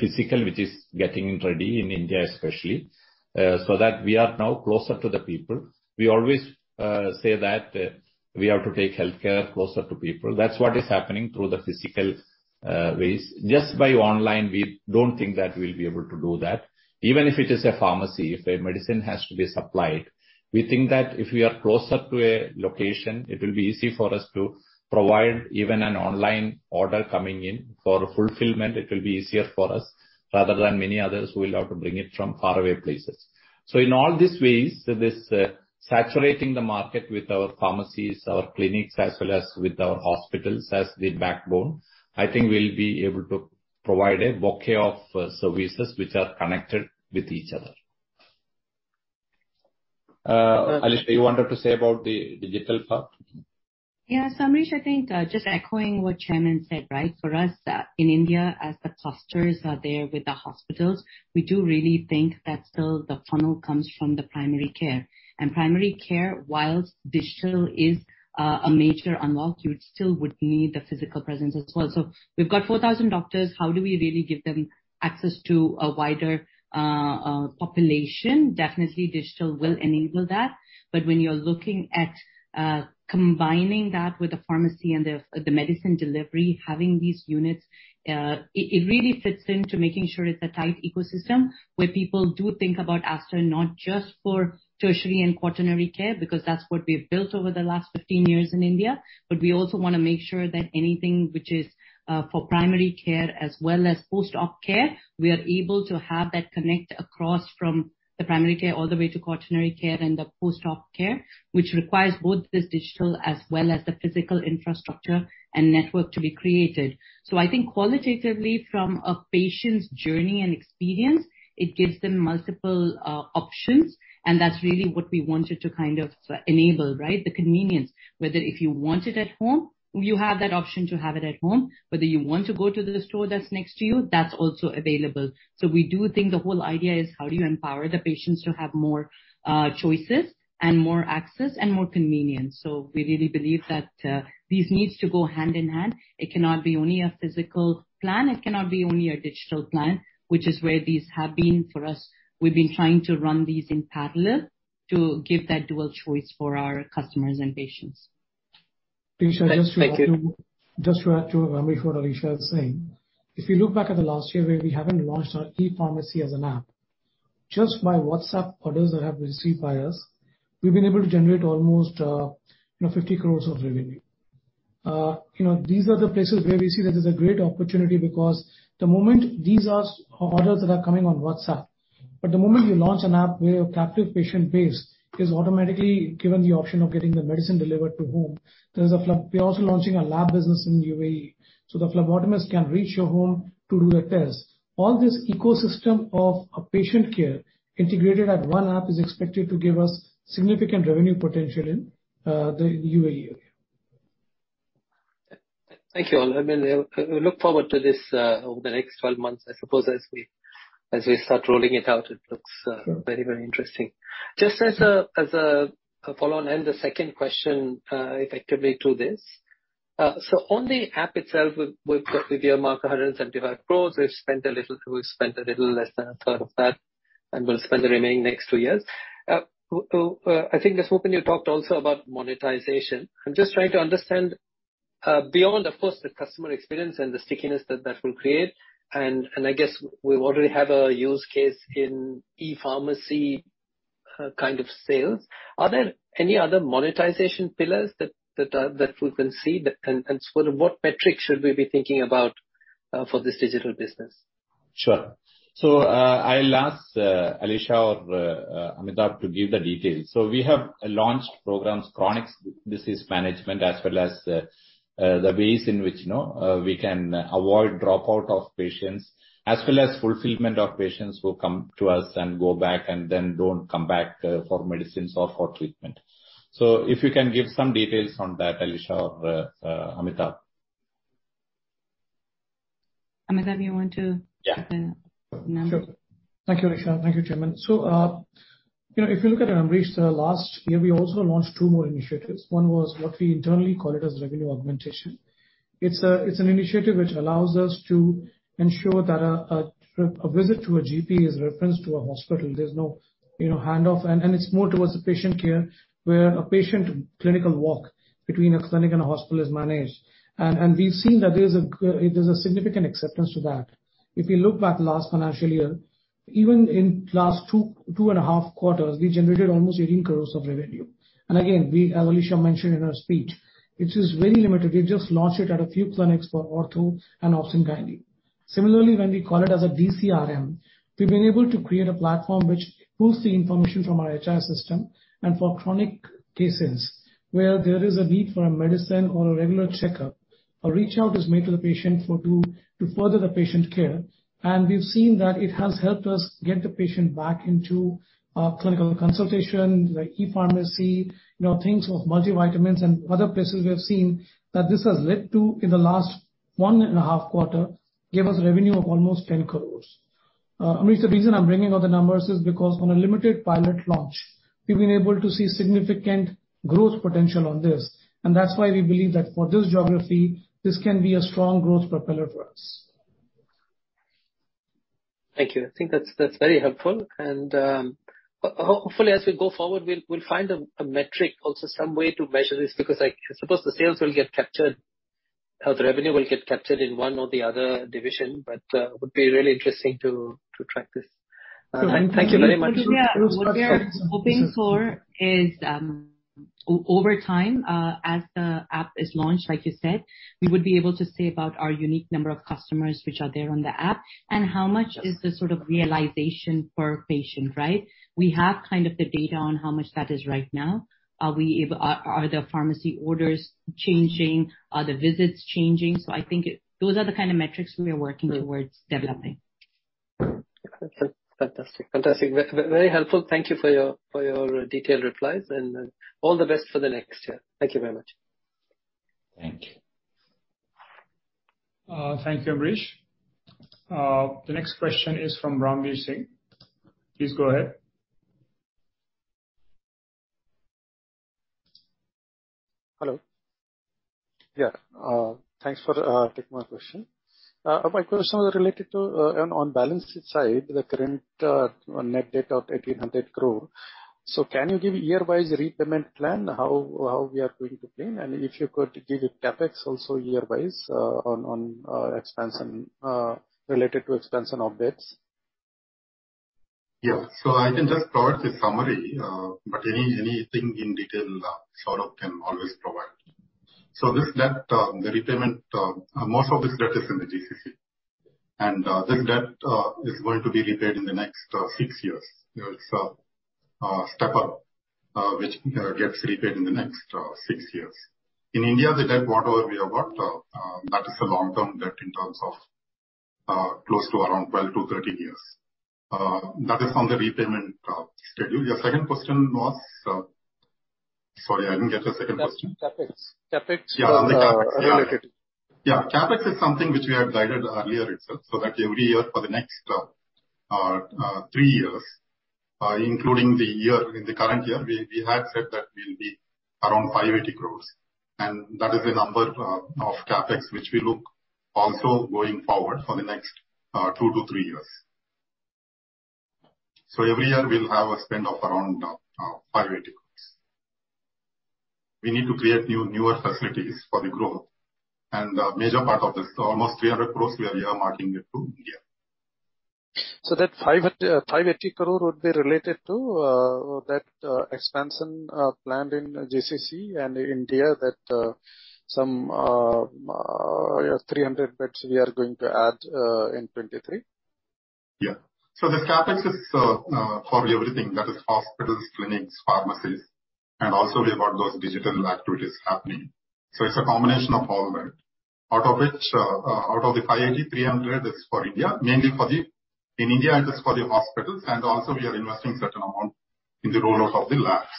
physical, which is getting ready in India especially, so that we are now closer to the people. We always say that we have to take healthcare closer to people. That's what is happening through the physical ways. Just by online, we don't think that we'll be able to do that. Even if it is a pharmacy, if a medicine has to be supplied, we think that if we are closer to a location, it will be easy for us to provide even an online order coming in. For fulfillment, it will be easier for us rather than many others who will have to bring it from faraway places. In all these ways, this, saturating the market with our pharmacies, our clinics, as well as with our hospitals as the backbone, I think we'll be able to provide a bouquet of services which are connected with each other. Alisha you wanted to say about the digital part? Yeah. Amrish, I think, just echoing what the Chairman said, right? For us, in India, as the clusters are there with the hospitals, we do really think that still the funnel comes from the primary care. Primary care, while digital is a major unlock, you would still need the physical presence as well. We've got 4,000 doctors. How do we really give them access to a wider population? Definitely digital will enable that. When you're looking at combining that with the pharmacy and the medicine delivery, having these units, it really fits into making sure it's a tight ecosystem where people do think about Aster, not just for tertiary and quaternary care, because that's what we've built over the last 15 years in India. We also wanna make sure that anything which is for primary care as well as post-op care, we are able to have that connect across from the primary care all the way to quaternary care and the post-op care, which requires both this digital as well as the physical infrastructure and network to be created. I think qualitatively from a patient's journey and experience, it gives them multiple options, and that's really what we wanted to kind of enable, right? The convenience. Whether if you want it at home, you have that option to have it at home. Whether you want to go to the store that's next to you, that's also available. We do think the whole idea is how do you empower the patients to have more choices and more access and more convenience. We really believe that these needs to go hand in hand. It cannot be only a physical plan. It cannot be only a digital plan, which is where these have been for us. We've been trying to run these in parallel to give that dual choice for our customers and patients. Thank you. Just to add to what Alisha is saying. If you look back at the last year, where we haven't launched our e-pharmacy as an app, just by WhatsApp orders that have been received by us, we've been able to generate almost 50 crores of revenue. These are the places where we see that there's a great opportunity because the moment these are orders that are coming on WhatsApp. The moment you launch an app where your captive patient base is automatically given the option of getting the medicine delivered to home. We're also launching a lab business in UAE, so the phlebotomist can reach your home to do a test. All this ecosystem of a patient care integrated at one app is expected to give us significant revenue potential in the UAE. Thank you all. I mean, we look forward to this over the next 12 months. I suppose as we start rolling it out, it looks very interesting. Just as a follow-on and the second question, effectively to this. So on the app itself with myAster, 175 crores, we've spent a little less than a third of that and will spend the remaining next two years. I think that's open, you talked also about monetization. I'm just trying to understand, beyond of course, the customer experience and the stickiness that that will create, and I guess we already have a use case in e-pharmacy kind of sales. Are there any other monetization pillars that we can see? Sort of what metrics should we be thinking about for this digital business? Sure. I'll ask Alisha or Amitabh to give the details. We have launched programs, chronic disease management as well as the ways in which, you know, we can avoid dropout of patients, as well as follow-up of patients who come to us and go back and then don't come back for medicines or for treatment. If you can give some details on that, Alisha or Amitabh. Amitabh, you want to Yeah. Take the number. Sure. Thank you, Alisha. Thank you, chairman. You know, if you look at, Amrish, last year, we also launched two more initiatives. One was what we internally call it as revenue augmentation. It's an initiative which allows us to ensure that a visit to a GP is referenced to a hospital. There's no handoff. It's more towards the patient care, where a patient clinical walk between a clinic and a hospital is managed. We've seen that there's a significant acceptance to that. If you look back last financial year. Even in last two and a half quarters, we generated almost 18 crore of revenue. Again, as Alisha mentioned in her speech, it is very limited. We just launched it at a few clinics for ortho and OB/GYN. Similarly, when we call it as a DCRM, we've been able to create a platform which pulls the information from our HR system. For chronic cases where there is a need for a medicine or a regular checkup, a reach-out is made to the patient to further the patient care. We've seen that it has helped us get the patient back into our clinical consultation, the e-pharmacy, you know, things of multivitamins and other places. We have seen that this has led to, in the last 1.5 quarters, gave us revenue of almost 10 crore. Amrish, the reason I'm bringing out the numbers is because on a limited pilot launch, we've been able to see significant growth potential on this. That's why we believe that for this geography, this can be a strong growth propeller for us. Thank you. I think that's very helpful. Hopefully as we go forward, we'll find a metric also some way to measure this because I suppose the sales will get captured or the revenue will get captured in one or the other division. Would be really interesting to track this. Thank you very much. So- Yeah, what we are hoping for is, over time, as the app is launched, like you said, we would be able to say about our unique number of customers which are there on the app and how much is the sort of realization per patient, right? We have kind of the data on how much that is right now. Are the pharmacy orders changing? Are the visits changing? I think those are the kind of metrics we are working towards developing. Fantastic. Very helpful. Thank you for your detailed replies and all the best for the next year. Thank you very much. Thank you. Thank you, Amrish. The next question is from Ranvir Singh. Please go ahead. Hello. Yeah. Thanks for taking my question. My question was related to on balance sheet side, the current net debt of 1,800 crore. Can you give year-wise repayment plan, how we are going to pay? If you could give the CapEx also year-wise, on expansion related to expansion updates. Yeah. I can just provide the summary, but anything in detail, Saurabh can always provide. This debt, the repayment, most of this debt is in the GCC. This debt is going to be repaid in the next six years. There is a step up which gets repaid in the next six years. In India, the debt whatever we have got, that is a long-term debt in terms of close to around 12-13 years. That is on the repayment schedule. Your second question was? Sorry, I didn't get the second question. That's CapEx. CapEx related. Yeah. CapEx is something which we have guided earlier itself, so that every year for the next three years, including the current year, we have said that we'll be around 500 crore. That is the number of CapEx which we look also going forward for the next two to three years. Every year we'll have a spend of around 500 crore. We need to create new, newer facilities for the growth. A major part of this, almost 300 crore we are earmarking it to India. That 500 crore would be related to that expansion plan in GCC and India that some 300 beds we are going to add in 2023? Yeah. This CapEx is for everything that is hospitals, clinics, pharmacies, and also we have got those digital activities happening. It's a combination of all that. Out of which, out of the 500, 300 is for India, mainly for in India, it is for the hospitals. Also we are investing certain amount in the rollout of the labs.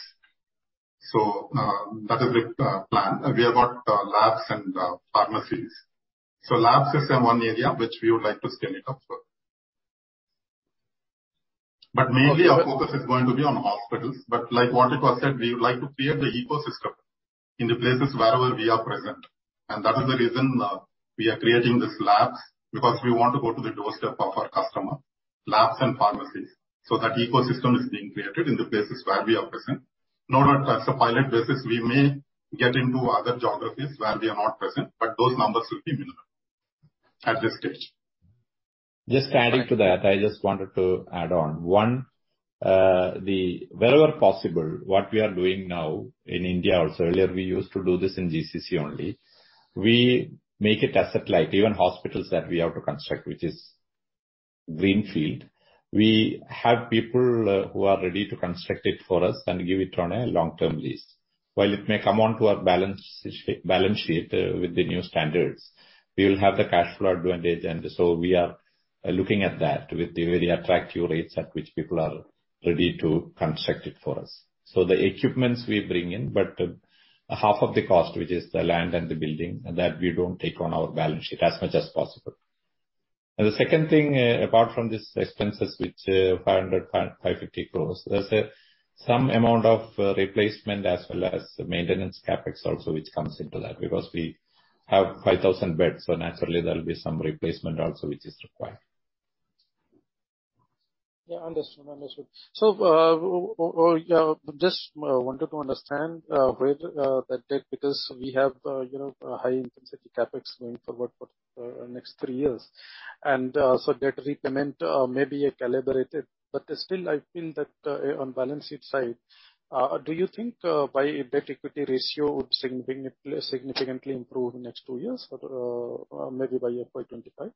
That is the plan. We have got labs and pharmacies. Labs is the one area which we would like to scale it up for. Mainly our focus is going to be on hospitals. Like Azad Moopen said, we would like to create the ecosystem in the places wherever we are present. That is the reason we are creating this labs because we want to go to the doorstep of our customer, labs and pharmacies. That ecosystem is being created in the places where we are present. Now that as a pilot basis, we may get into other geographies where we are not present, but those numbers will be minimal at this stage. Just adding to that, I just wanted to add on. One, wherever possible, what we are doing now in India also, earlier we used to do this in GCC only. We make it asset light, even hospitals that we have to construct, which is greenfield. We have people who are ready to construct it for us and give it on a long-term lease. While it may come onto our balance sheet with the new standards, we will have the cash flow advantage. We are looking at that with the very attractive rates at which people are ready to construct it for us. The equipment we bring in, but half of the cost, which is the land and the building, that we don't take on our balance sheet as much as possible. The second thing, apart from these expenses, which 550 crores, there's some amount of replacement as well as maintenance CapEx also which comes into that because we have 5,000 beds, so naturally there'll be some replacement also which is required. Understood. Well, just wanted to understand where the debt because we have, you know, high intensity CapEx going forward for next three years. Debt repayment may be calibrated, but still I feel that on balance sheet side, do you think by debt equity ratio would significantly improve in the next two years or maybe by year FY 25?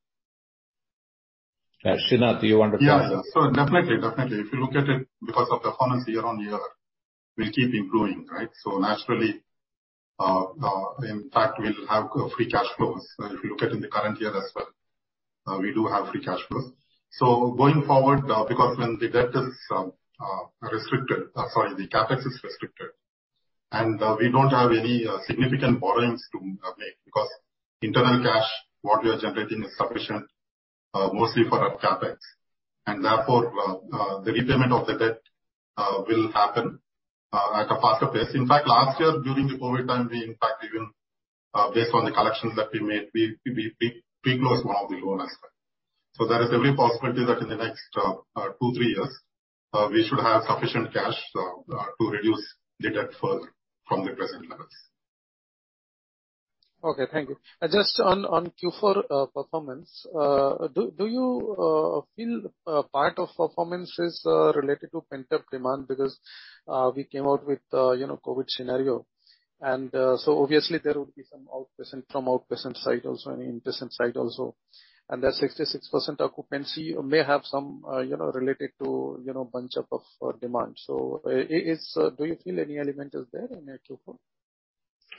Yeah. Sreenath, do you want to answer? Yeah. Definitely. If you look at it because of the financials year-on-year, we'll keep improving, right? Naturally, in fact we'll have free cash flows. If you look at the current year as well, we do have free cash flows. Going forward, because the CapEx is restricted, and we don't have any significant borrowings to make because internal cash what we are generating is sufficient mostly for our CapEx. Therefore, the repayment of the debt will happen at a faster pace. In fact, last year during the COVID time, we in fact even based on the collections that we made, we reduced the loan as well. There is every possibility that in the next two to three years, we should have sufficient cash to reduce the debt further from the present levels. Okay. Thank you. Just on Q4 performance, do you feel part of performance is related to pent-up demand? Because we came out with you know COVID scenario and so obviously there will be some outpatient from outpatient side also, I mean, patient side also. That 66% occupancy may have some you know related to you know pent-up demand. Do you feel any element is there in Q4?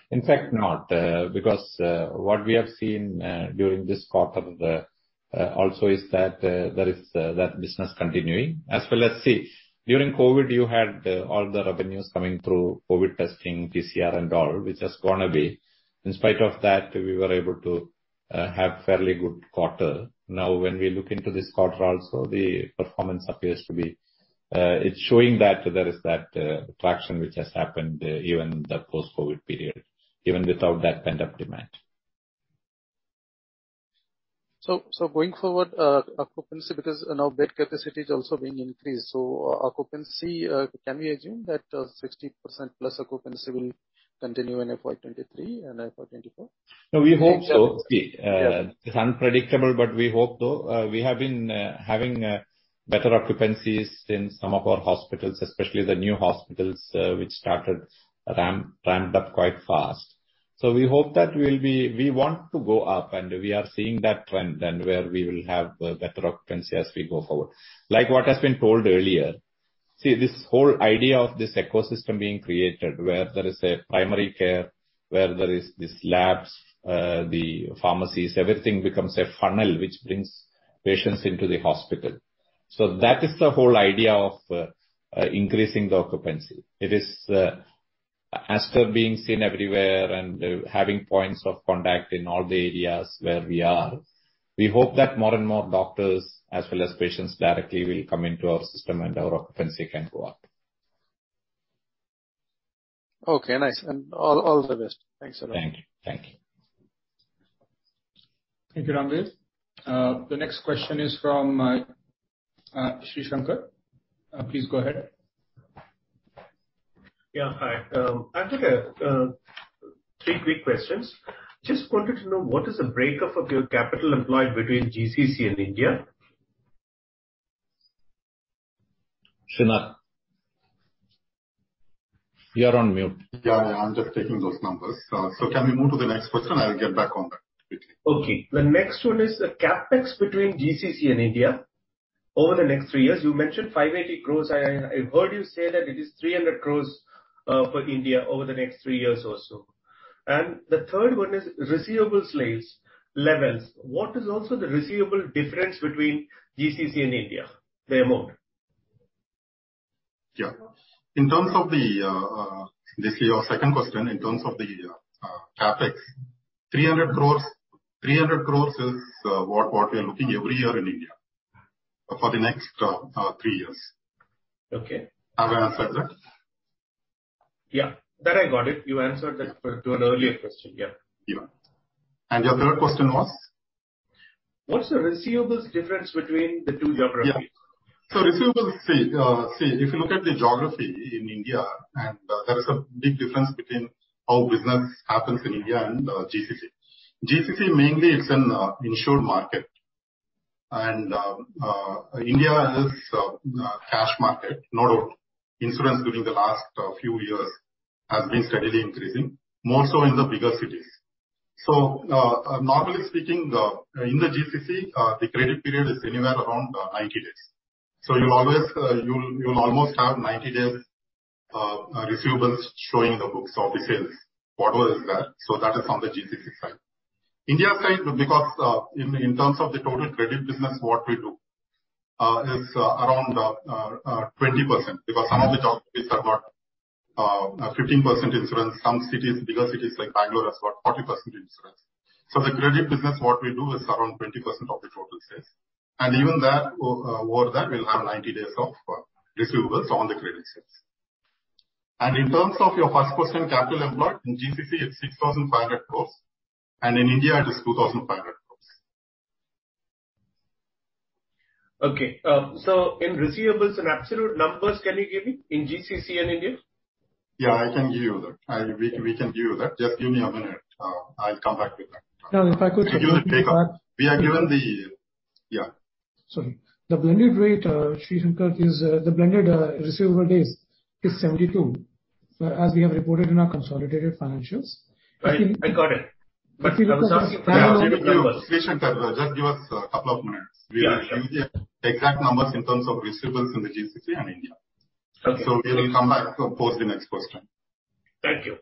In fact, not. Because what we have seen during this quarter also is that there is that business continuing. As well as, see, during COVID, you had all the revenues coming through COVID testing, PCR and all, which has gone away. In spite of that, we were able to have fairly good quarter. Now when we look into this quarter also the performance appears to be, it's showing that there is that traction which has happened even in the post-COVID period, even without that pent-up demand. Going forward, occupancy because now bed capacity is also being increased, so occupancy, can we assume that 60%+ occupancy will continue in FY 2023 and FY 2024? No, we hope so. Yes. It's unpredictable, but we hope so. We have been having better occupancies in some of our hospitals, especially the new hospitals, which ramped up quite fast. We hope that we'll be. We want to go up and we are seeing that trend and we will have better occupancy as we go forward. Like what has been told earlier, see, this whole idea of this ecosystem being created where there is a primary care, where there is these labs, the pharmacies, everything becomes a funnel which brings patients into the hospital. That is the whole idea of increasing the occupancy. It is Aster being seen everywhere and having points of contact in all the areas where we are. We hope that more and more doctors as well as patients directly will come into our system and our occupancy can go up. Okay, nice. All the best. Thanks a lot. Thank you. Thank you, Ranvir Singh. The next question is from Sri Shankar. Please go ahead. Yeah. Hi. I've got three quick questions. Just wanted to know what is the breakdown of your capital employed between GCC and India? Sreenath. You're on mute. Yeah, I'm just taking those numbers. Can we move to the next question? I'll get back on that quickly. Okay. The next one is the CapEx between GCC and India over the next three years. You mentioned 580 crores. I've heard you say that it is 300 crores for India over the next three years or so. The third one is receivables levels. What is also the receivable difference between GCC and India, the amount? Yeah. In terms of the CapEx, 300 crore is what we are looking every year in India for the next three years. Okay. Have I answered that? Yeah. That I got it. You answered that to an earlier question. Yeah. Yeah. Your third question was? What's the receivables difference between the two geographies? Yeah. Receivables, see, if you look at the geography in India, and there is a big difference between how business happens in India and GCC. GCC mainly is an insured market. India is a cash market. Now, insurance during the last few years has been steadily increasing, more so in the bigger cities. Normally speaking, in the GCC, the credit period is anywhere around 90 days. You always will almost have 90 days receivables showing the books of the sales, whatever is there. That is on the GCC side. India side, because in terms of the total credit business what we do is around 20% because some of the geographies are about 15% insurance. Some cities, bigger cities like Bangalore has about 40% insurance. The credit business, what we do is around 20% of the total sales. Even that, over that we'll have 90 days of receivables on the credit sales. In terms of your first question, capital employed, in GCC it's 6,500 crores, and in India it is 2,500 crores. Okay. In receivables, in absolute numbers, can you give me in GCC and India? Yeah, I can give you that. We can give you that. Just give me a minute. I'll come back with that. Now, if I could- Give me a break. Yeah. Sorry. The blended rate, Sri Shankar, is the blended receivable days is 72, as we have reported in our consolidated financials. I got it. Yeah. Sri Shankar, just give us a couple of minutes. Yeah, sure. We'll give you the exact numbers in terms of receivables in the GCC and India. Okay. We will come back post the next question. Thank you.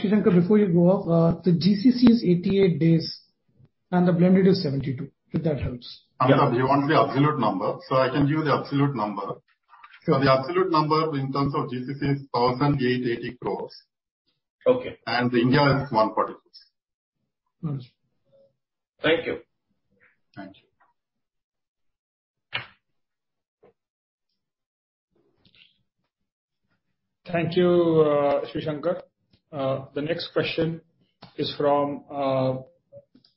Sri Shankar, before you go off, the GCC is 88 days and the blended is 72, if that helps. Amitabh, he wants the absolute number, so I can give you the absolute number. Sure. The absolute number in terms of GCC is 1,080 crores. Okay. India is 140 crore. Thank you. Thank you. Thank you, Sri Shankar. The next question is from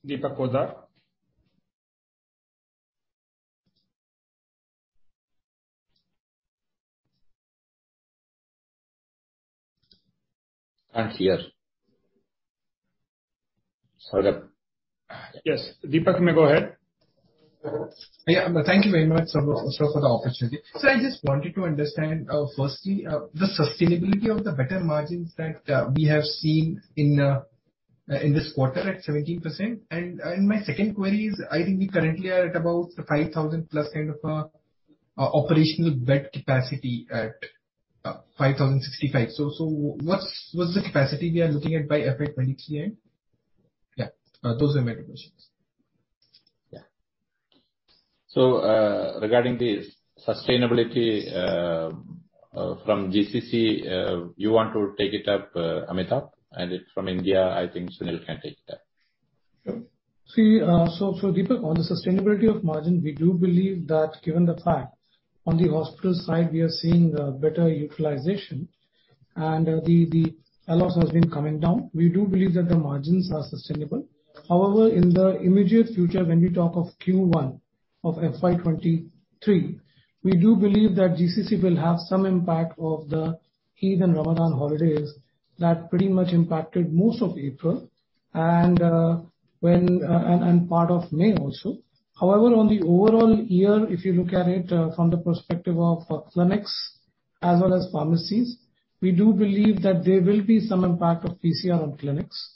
Deepak Poddar. Can't hear. Hello? Yes. Deepak, you may go ahead. Yeah. Thank you very much, sir, for the opportunity. I just wanted to understand, firstly, the sustainability of the better margins that we have seen in this quarter at 17%. My second query is I think we currently are at about 5,000+ kind of operational bed capacity at 5,065. What's the capacity we are looking at by FY 2023 end? Yeah. Those are my two questions. Yeah. Regarding the sustainability, from GCC, you want to take it up, Amitabh, and if from India, I think Sunil can take it up. Sure. See, Deepak, on the sustainability of margin, we do believe that given the fact on the hospital side we are seeing better utilization and the loss has been coming down, we do believe that the margins are sustainable. However, in the immediate future, when we talk of Q1 of FY 2023, we do believe that GCC will have some impact of the Eid and Ramadan holidays that pretty much impacted most of April and part of May also. However, on the overall year, if you look at it from the perspective of clinics as well as pharmacies, we do believe that there will be some impact of PCR on clinics.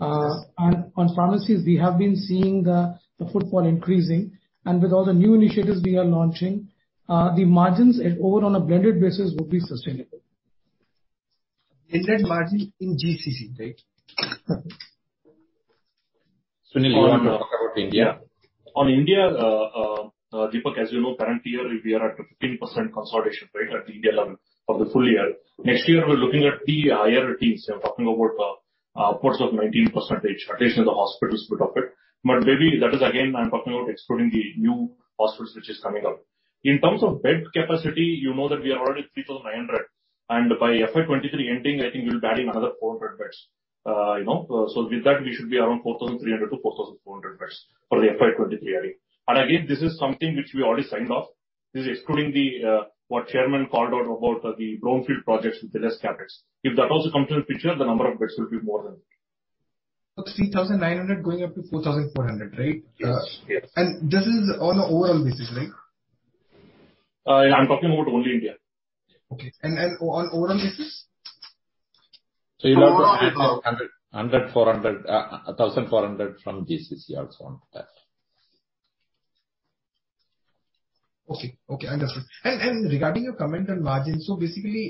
On pharmacies, we have been seeing the footfall increasing. With all the new initiatives we are launching, the margins overall on a blended basis will be sustainable. Blended margin in GCC, right? Sunil, you wanna talk about India? On India, Deepak, as you know, current year we are at 15% consolidation rate at India level for the full year. Next year we are looking at the higher teens. We're talking about upwards of 19% addition to the hospitals bit of it. But maybe that is again, I'm talking about excluding the new hospitals which is coming up. In terms of bed capacity, you know that we are already at 3,900, and by FY 2023 ending, I think we'll be adding another 400 beds, you know. With that we should be around 4,300-4,400 beds for the FY 2023 year. This is something which we already signed off. This is excluding the what chairman called out about the brownfield projects with the less CapEx. If that also comes into the picture, the number of beds will be more than that. 3,900 going up to 4,400, right? Yes. Yes. This is on an overall basis, right? I'm talking about only India. Okay. On overall basis? You'll have to add $100, $400, $1,400 from GCC also on top. Understood. Regarding your comment on margins, basically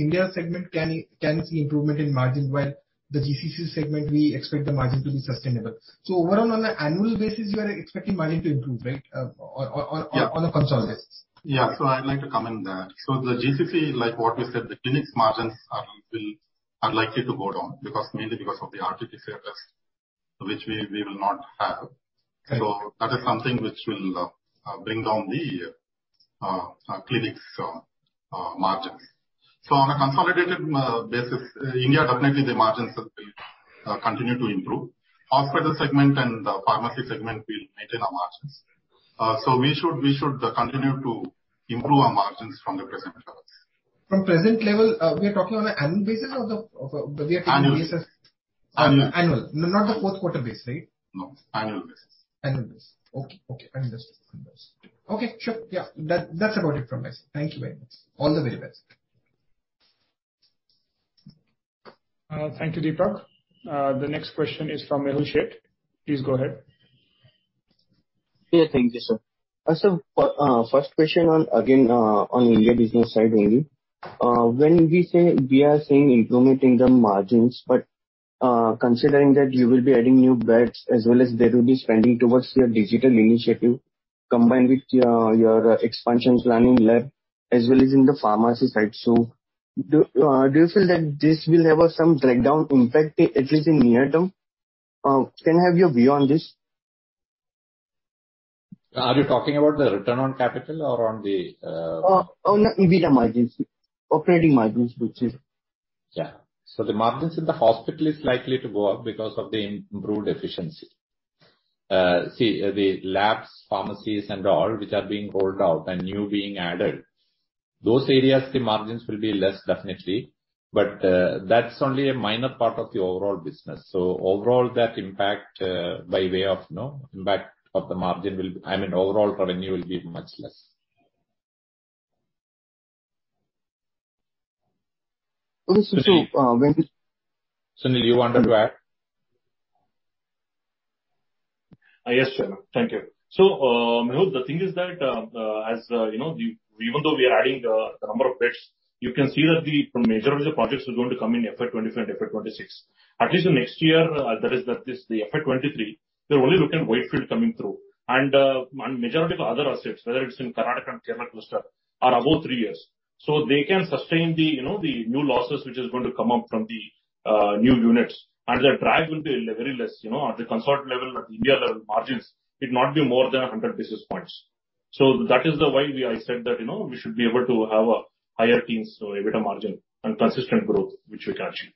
India segment can see improvement in margin, while the GCC segment we expect the margin to be sustainable. Overall on an annual basis, you are expecting margin to improve, right? On a consolidated basis. Yeah. I'd like to comment there. The GCC, like what we said, the clinics margins are unlikely to go down mainly because of the RT-PCR test which we will not have. Okay. That is something which will bring down the clinics margins. On a consolidated basis, India definitely the margins will continue to improve. Hospital segment and the pharmacy segment will maintain our margins. We should continue to improve our margins from the present levels. From present level, we are talking on an annual basis or the. Annual. Year to date basis? Annual. Annual. Not the fourth quarter basis, right? No. Annual basis. Annual basis. Okay. Understood. Sure. Yeah. That's about it from my side. Thank you very much. All the very best. Thank you, Deepak. The next question is from Mehul Sheth. Please go ahead. Yeah. Thank you, sir. First question on again, on India business side mainly. When we say we are seeing improvement in the margins, but considering that you will be adding new beds as well as there will be spending towards your digital initiative combined with your expansion plans in lab as well as in the pharmacy side. Do you feel that this will have some drag down impact at least in near term? Can I have your view on this? Are you talking about the return on capital or on the? On the EBITDA margins. Operating margins which is. Yeah. The margins in the hospital is likely to go up because of the improved efficiency. See, the labs, pharmacies and all which are being rolled out and new being added, those areas, the margins will be less definitely, but, that's only a minor part of the overall business. Overall that impact, by way of, you know, impact of the margin will. I mean, overall revenue will be much less. Okay, so when Sunil, you wanted to add? Yes, sure. Thank you. Mehul, the thing is that, as you know, even though we are adding the number of beds, you can see that the majority of the projects are going to come in FY 2025 and FY 2026. At least the next year, that is the FY 2023, we're only looking at Whitefield coming through. Majority of our other assets, whether it's in Karnataka and Kerala cluster, are above three years. They can sustain the, you know, the new losses which is going to come up from the new units. The drag will be very less, you know. At the consolidated level, at the India level, margins will not be more than 100 basis points. That's why we. I said that, you know, we should be able to have a higher EBITDA margin and consistent growth which we can achieve.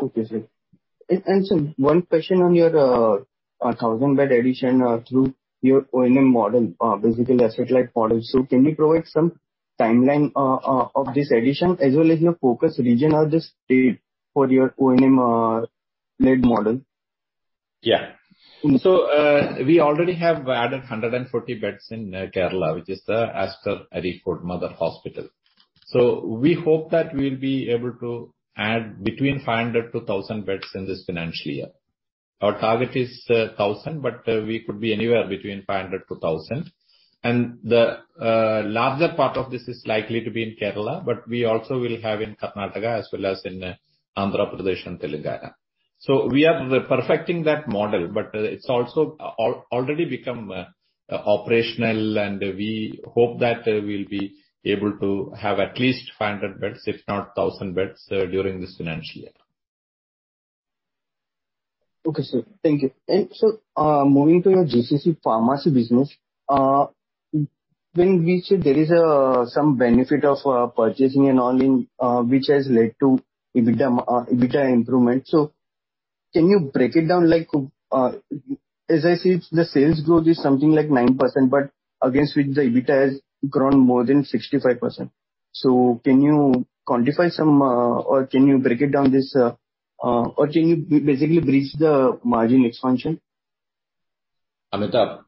Okay, sir. Sir, one question on your thousand-bed addition through your O&M model, basically asset-light model. Can you provide some timeline of this addition, as well as your focus region or the state for your O&M led model? Yeah, we already have added 140 beds in Kerala, which is the Aster Ernakulam Mother Hospital. We hope that we'll be able to add between 500-1,000 beds in this financial year. Our target is 1,000, but we could be anywhere between 500-1,000. The larger part of this is likely to be in Kerala, but we also will have in Karnataka as well as in Andhra Pradesh and Telangana. We are perfecting that model, but it's also already become operational, and we hope that we'll be able to have at least 500 beds, if not 1,000 beds, during this financial year. Okay, sir. Thank you. Sir, moving to your GCC Pharmacy business, when we say there is some benefit of purchasing and all in, which has led to EBITDA improvement. Can you break it down like, as I see the sales growth is something like 9%, but against which the EBITDA has grown more than 65%. Can you quantify some, or can you break it down this, or can you basically brief the margin expansion? Amitab?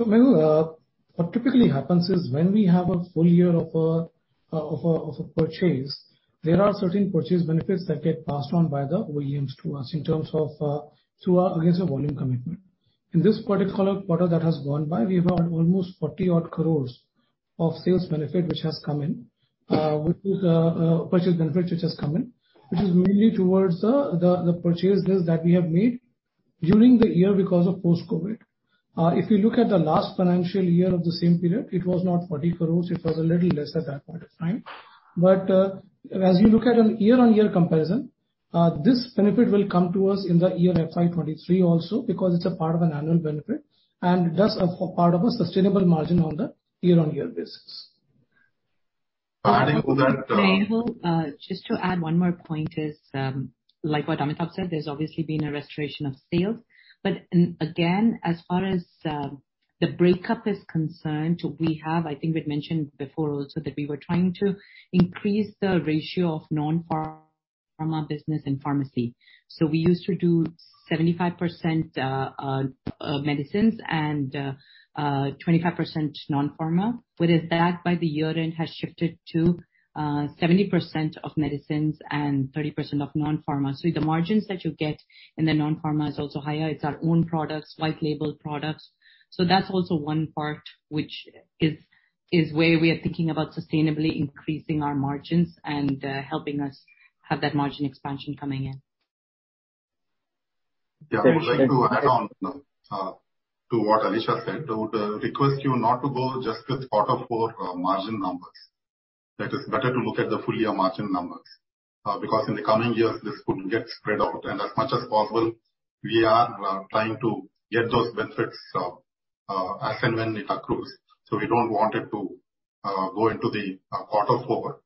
Mehul Sheth, what typically happens is when we have a full year of a purchase, there are certain purchase benefits that get passed on by the OEMs to us in terms of through our, I guess, volume commitment. In this particular quarter that has gone by, we have almost 40-odd crores of sales benefit which has come in, which is purchase benefit which has come in. Which is mainly towards the purchase deals that we have made during the year because of post-COVID. If you look at the last financial year of the same period, it was not 40 crores, it was a little less at that point in time. As you look at a year-on-year comparison, this benefit will come to us in the year FY 2023 also because it's a part of an annual benefit and thus a part of a sustainable margin on the year-on-year basis. Adding to that. Mehul, just to add one more point is, like what Amitabh said, there's obviously been a restoration of sales. Again, as far as the breakup is concerned, we have, I think we've mentioned before also that we were trying to increase the ratio of non-pharma business in pharmacy. We used to do 75% medicines and 25% non-pharma. With that, by the year-end has shifted to 70% of medicines and 30% of non-pharma. The margins that you get in the non-pharma is also higher. It's our own products, white label products. That's also one part which is where we are thinking about sustainably increasing our margins and helping us have that margin expansion coming in. Yeah. I would like to add on to what Alisha said. I would request you not to go just with quarter four margin numbers. That is better to look at the full year margin numbers. Because in the coming years this could get spread out. As much as possible, we are trying to get those benefits as and when it accrues. We don't want it to go into the quarter four.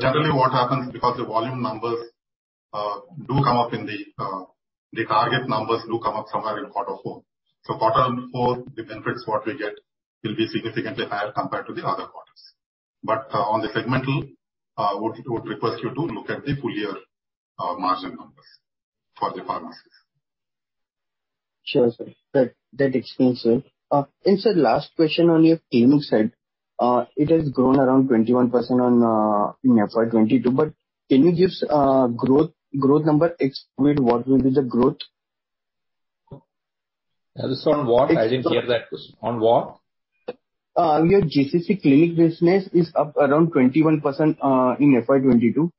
Generally what happens because the volume numbers do come up in the target numbers somewhere in quarter four. Quarter four, the benefits what we get will be significantly higher compared to the other quarters. On the segmental, I would request you to look at the full year margin numbers for the pharmacies. Sure, sir. That explains, sir. Sir, last question on your clinic side. It has grown around 21% in FY 2022, but can you give growth number exclude what will be the growth? This on what? I didn't hear that. On what? Your GCC clinic business is up around 21% in FY 2022.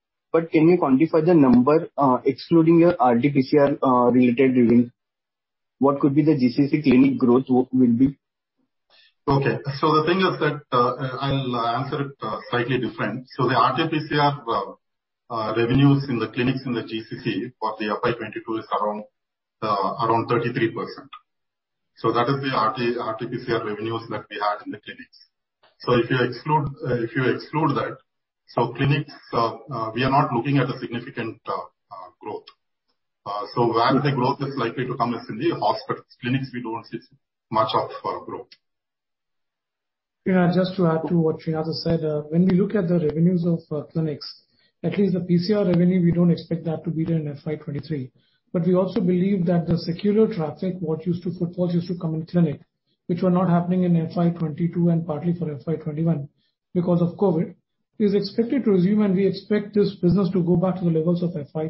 Can you quantify the number, excluding your RTPCR related revenue? What could be the GCC clinic growth will be? Okay. The thing is that, I'll answer it slightly different. The RTPCR revenues in the clinics in the GCC for the FY 2022 is around 33%. That is the RTPCR revenues that we had in the clinics. If you exclude that, clinics, we are not looking at a significant growth. Where the growth is likely to come is in the hospitals. Clinics, we don't see much of for growth. Yeah, just to add to what Sreenath has said. When we look at the revenues of clinics, at least the PCR revenue, we don't expect that to be there in FY 2023. We also believe that the secular traffic, what used to come in clinic, which were not happening in FY 2022 and partly for FY 2021 because of COVID, is expected to resume, and we expect this business to go back to the levels of FY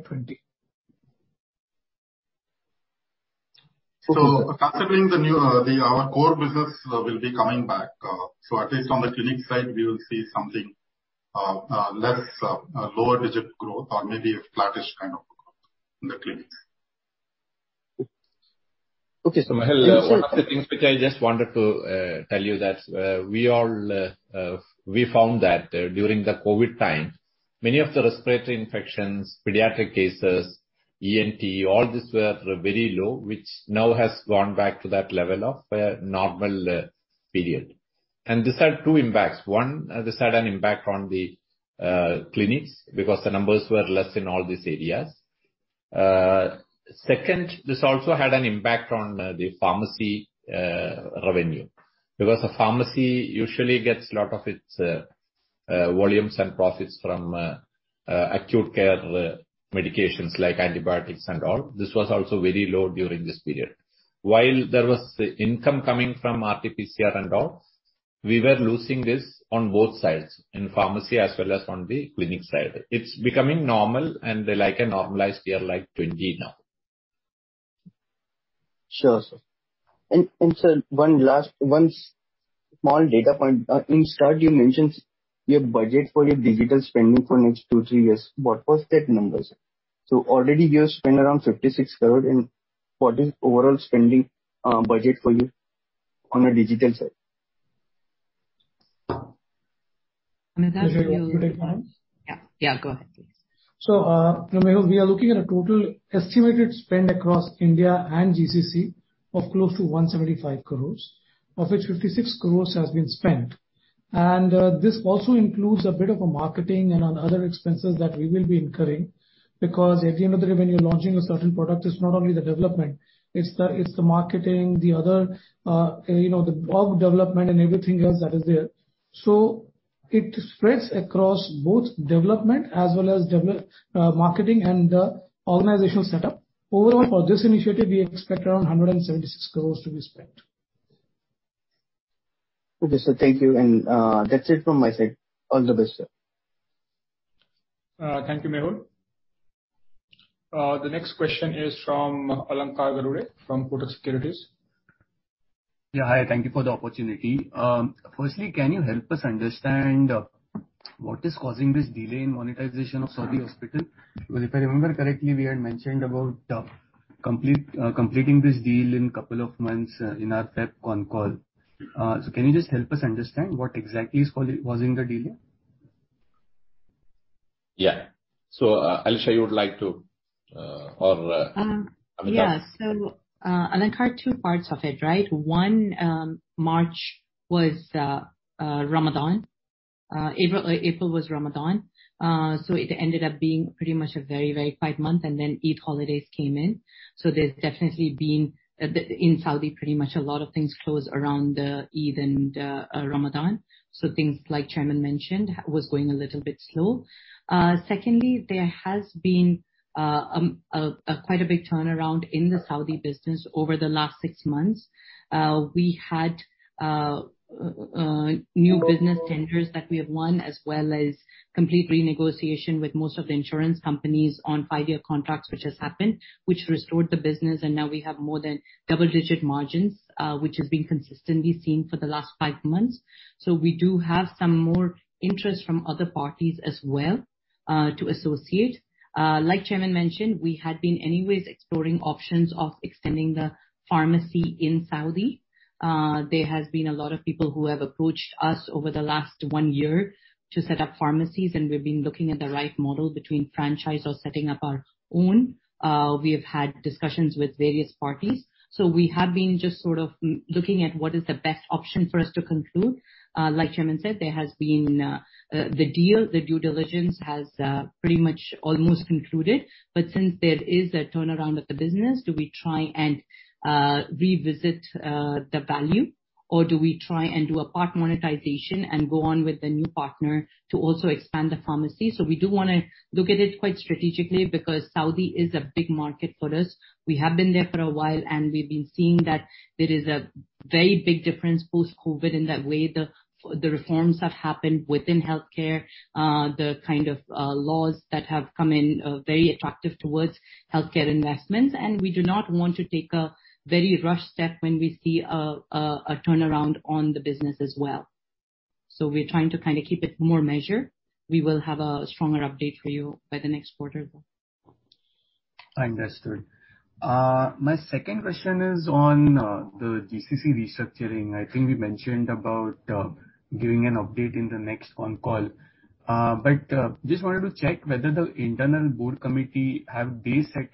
2020. Considering the new, our core business will be coming back. At least on the clinic side, we will see something lower digit growth or maybe a flattish kind of growth in the clinics. Okay, so- One of the things which I just wanted to tell you that we all found that during the COVID time, many of the respiratory infections, pediatric cases, ENT, all these were very low, which now has gone back to that level of a normal period. This had two impacts. One, this had an impact on the clinics because the numbers were less in all these areas. Second, this also had an impact on the pharmacy revenue, because the pharmacy usually gets a lot of its volumes and profits from acute care medications like antibiotics and all. This was also very low during this period. While there was income coming from RTPCR and all, we were losing this on both sides, in pharmacy as well as on the clinic side. It's becoming normal and like a normalized year like 2020 now. Sure, sir. Sir, one last, one small data point. In start you mentioned your budget for your digital spending for next two, three years. What was that number, sir? Already you have spent around 56 crore, and what is overall spending budget for you on a digital side? Amitabh You take mine. Yeah, go ahead, please. Mehul, we are looking at a total estimated spend across India and GCC of close to 175 crores, of which 56 crores has been spent. This also includes a bit of marketing and other expenses that we will be incurring, because at the end of the day, when you're launching a certain product, it's not only the development, it's the marketing, the other, you know, the org development and everything else that is there. It spreads across both development as well as marketing and the organizational setup. Overall, for this initiative, we expect around 176 crores to be spent. Okay, sir. Thank you. That's it from my side. All the best, sir. Thank you, Mehul. The next question is from Alankar Garude from Kotak Securities. Yeah, hi. Thank you for the opportunity. Firstly, can you help us understand what is causing this delay in monetization of Saudi Hospital? Because if I remember correctly, we had mentioned about completing this deal in couple of months in our Feb con call. Can you just help us understand what exactly is causing the delay? Yeah. Alisha, you would like to or Um- Amitha. Yeah. Alankar, two parts of it, right? One, March was Ramadan. April was Ramadan. It ended up being pretty much a very quiet month. Eid holidays came in. There's definitely been the. In Saudi, pretty much a lot of things close around Eid and Ramadan. Things like chairman mentioned was going a little bit slow. Secondly, there has been a quite big turnaround in the Saudi business over the last six months. We had new business tenders that we have won, as well as complete renegotiation with most of the insurance companies on five-year contracts, which has happened, which restored the business. Now we have more than double-digit margins, which has been consistently seen for the last five months. We do have some more interest from other parties as well to associate. Like chairman mentioned, we had been anyways exploring options of extending the pharmacy in Saudi. There has been a lot of people who have approached us over the last one year to set up pharmacies, and we've been looking at the right model between franchise or setting up our own. We have had discussions with various parties. We have been just sort of looking at what is the best option for us to conclude. Like chairman said, the deal, the due diligence has pretty much almost concluded. Since there is a turnaround of the business, do we try and revisit the value or do we try and do a part monetization and go on with the new partner to also expand the pharmacy? We do wanna look at it quite strategically because Saudi is a big market for us. We have been there for a while, and we've been seeing that there is a very big difference post-COVID in the way the reforms have happened within healthcare. The kind of laws that have come in are very attractive towards healthcare investments. We do not want to take a very rushed step when we see a turnaround on the business as well. We're trying to kind of keep it more measured. We will have a stronger update for you by the next quarter, though. I understood. My second question is on the GCC restructuring. I think we mentioned about giving an update in the next phone call. Just wanted to check whether the internal board committee have they set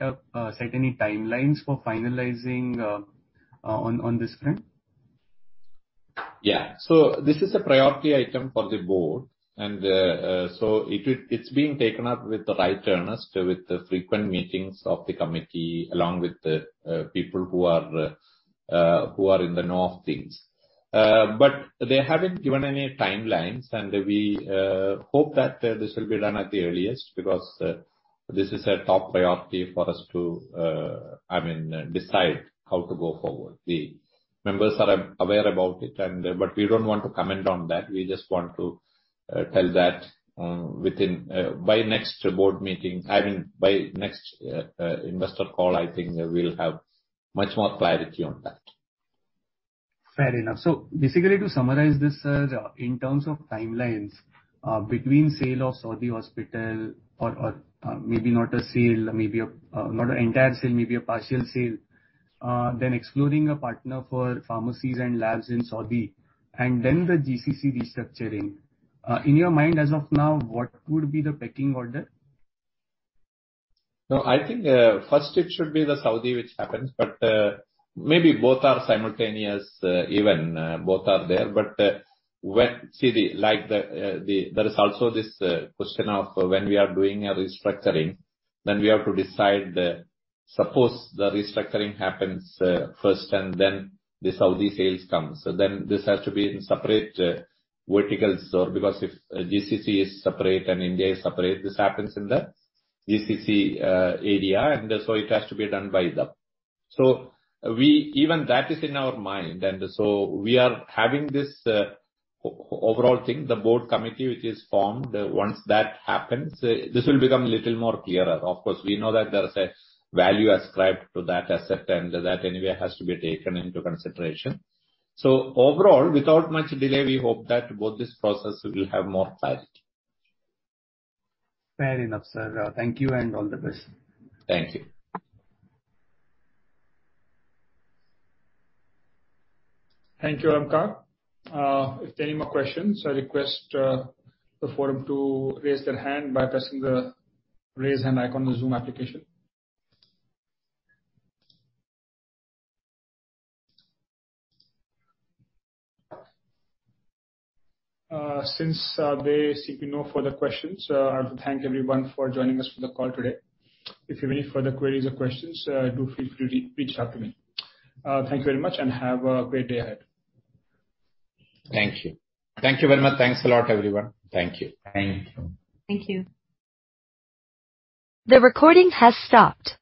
any timelines for finalizing on this front? This is a priority item for the board and it's being taken up with right earnest with the frequent meetings of the committee along with the people who are in the know of things. They haven't given any timelines, and we hope that this will be done at the earliest, because this is a top priority for us, I mean, to decide how to go forward. The members are aware about it and we don't want to comment on that. We just want to tell that within by next board meeting, I mean by next investor call, I think we'll have much more clarity on that. Fair enough. Basically to summarize this, sir, in terms of timelines, between sale of Saudi hospital or maybe not an entire sale, maybe a partial sale, then exploring a partner for pharmacies and labs in Saudi and then the GCC restructuring, in your mind as of now, what would be the pecking order? No, I think first it should be the Saudi which happens, but maybe both are simultaneous, even both are there. When we are doing a restructuring, then we have to decide, suppose the restructuring happens first and then the Saudi sales comes, so then this has to be in separate verticals or. Because if GCC is separate and India is separate, this happens in the GCC area, and so it has to be done by them. Even that is in our mind, and so we are having this overall thing, the board committee which is formed. Once that happens, this will become little more clearer. Of course, we know that there is a value ascribed to that asset and that anyway has to be taken into consideration. Overall, without much delay, we hope that both this process will have more clarity. Fair enough, sir. Thank you and all the best. Thank you. Thank you, Alankar Garude. If there are any more questions, I request the forum to raise their hand by pressing the Raise Hand icon on the Zoom application. Since there seem to be no further questions, I want to thank everyone for joining us for the call today. If you've any further queries or questions, do feel free to reach out to me. Thank you very much and have a great day ahead. Thank you. Thank you very much. Thanks a lot, everyone. Thank you. Thank you. Thank you. The recording has stopped.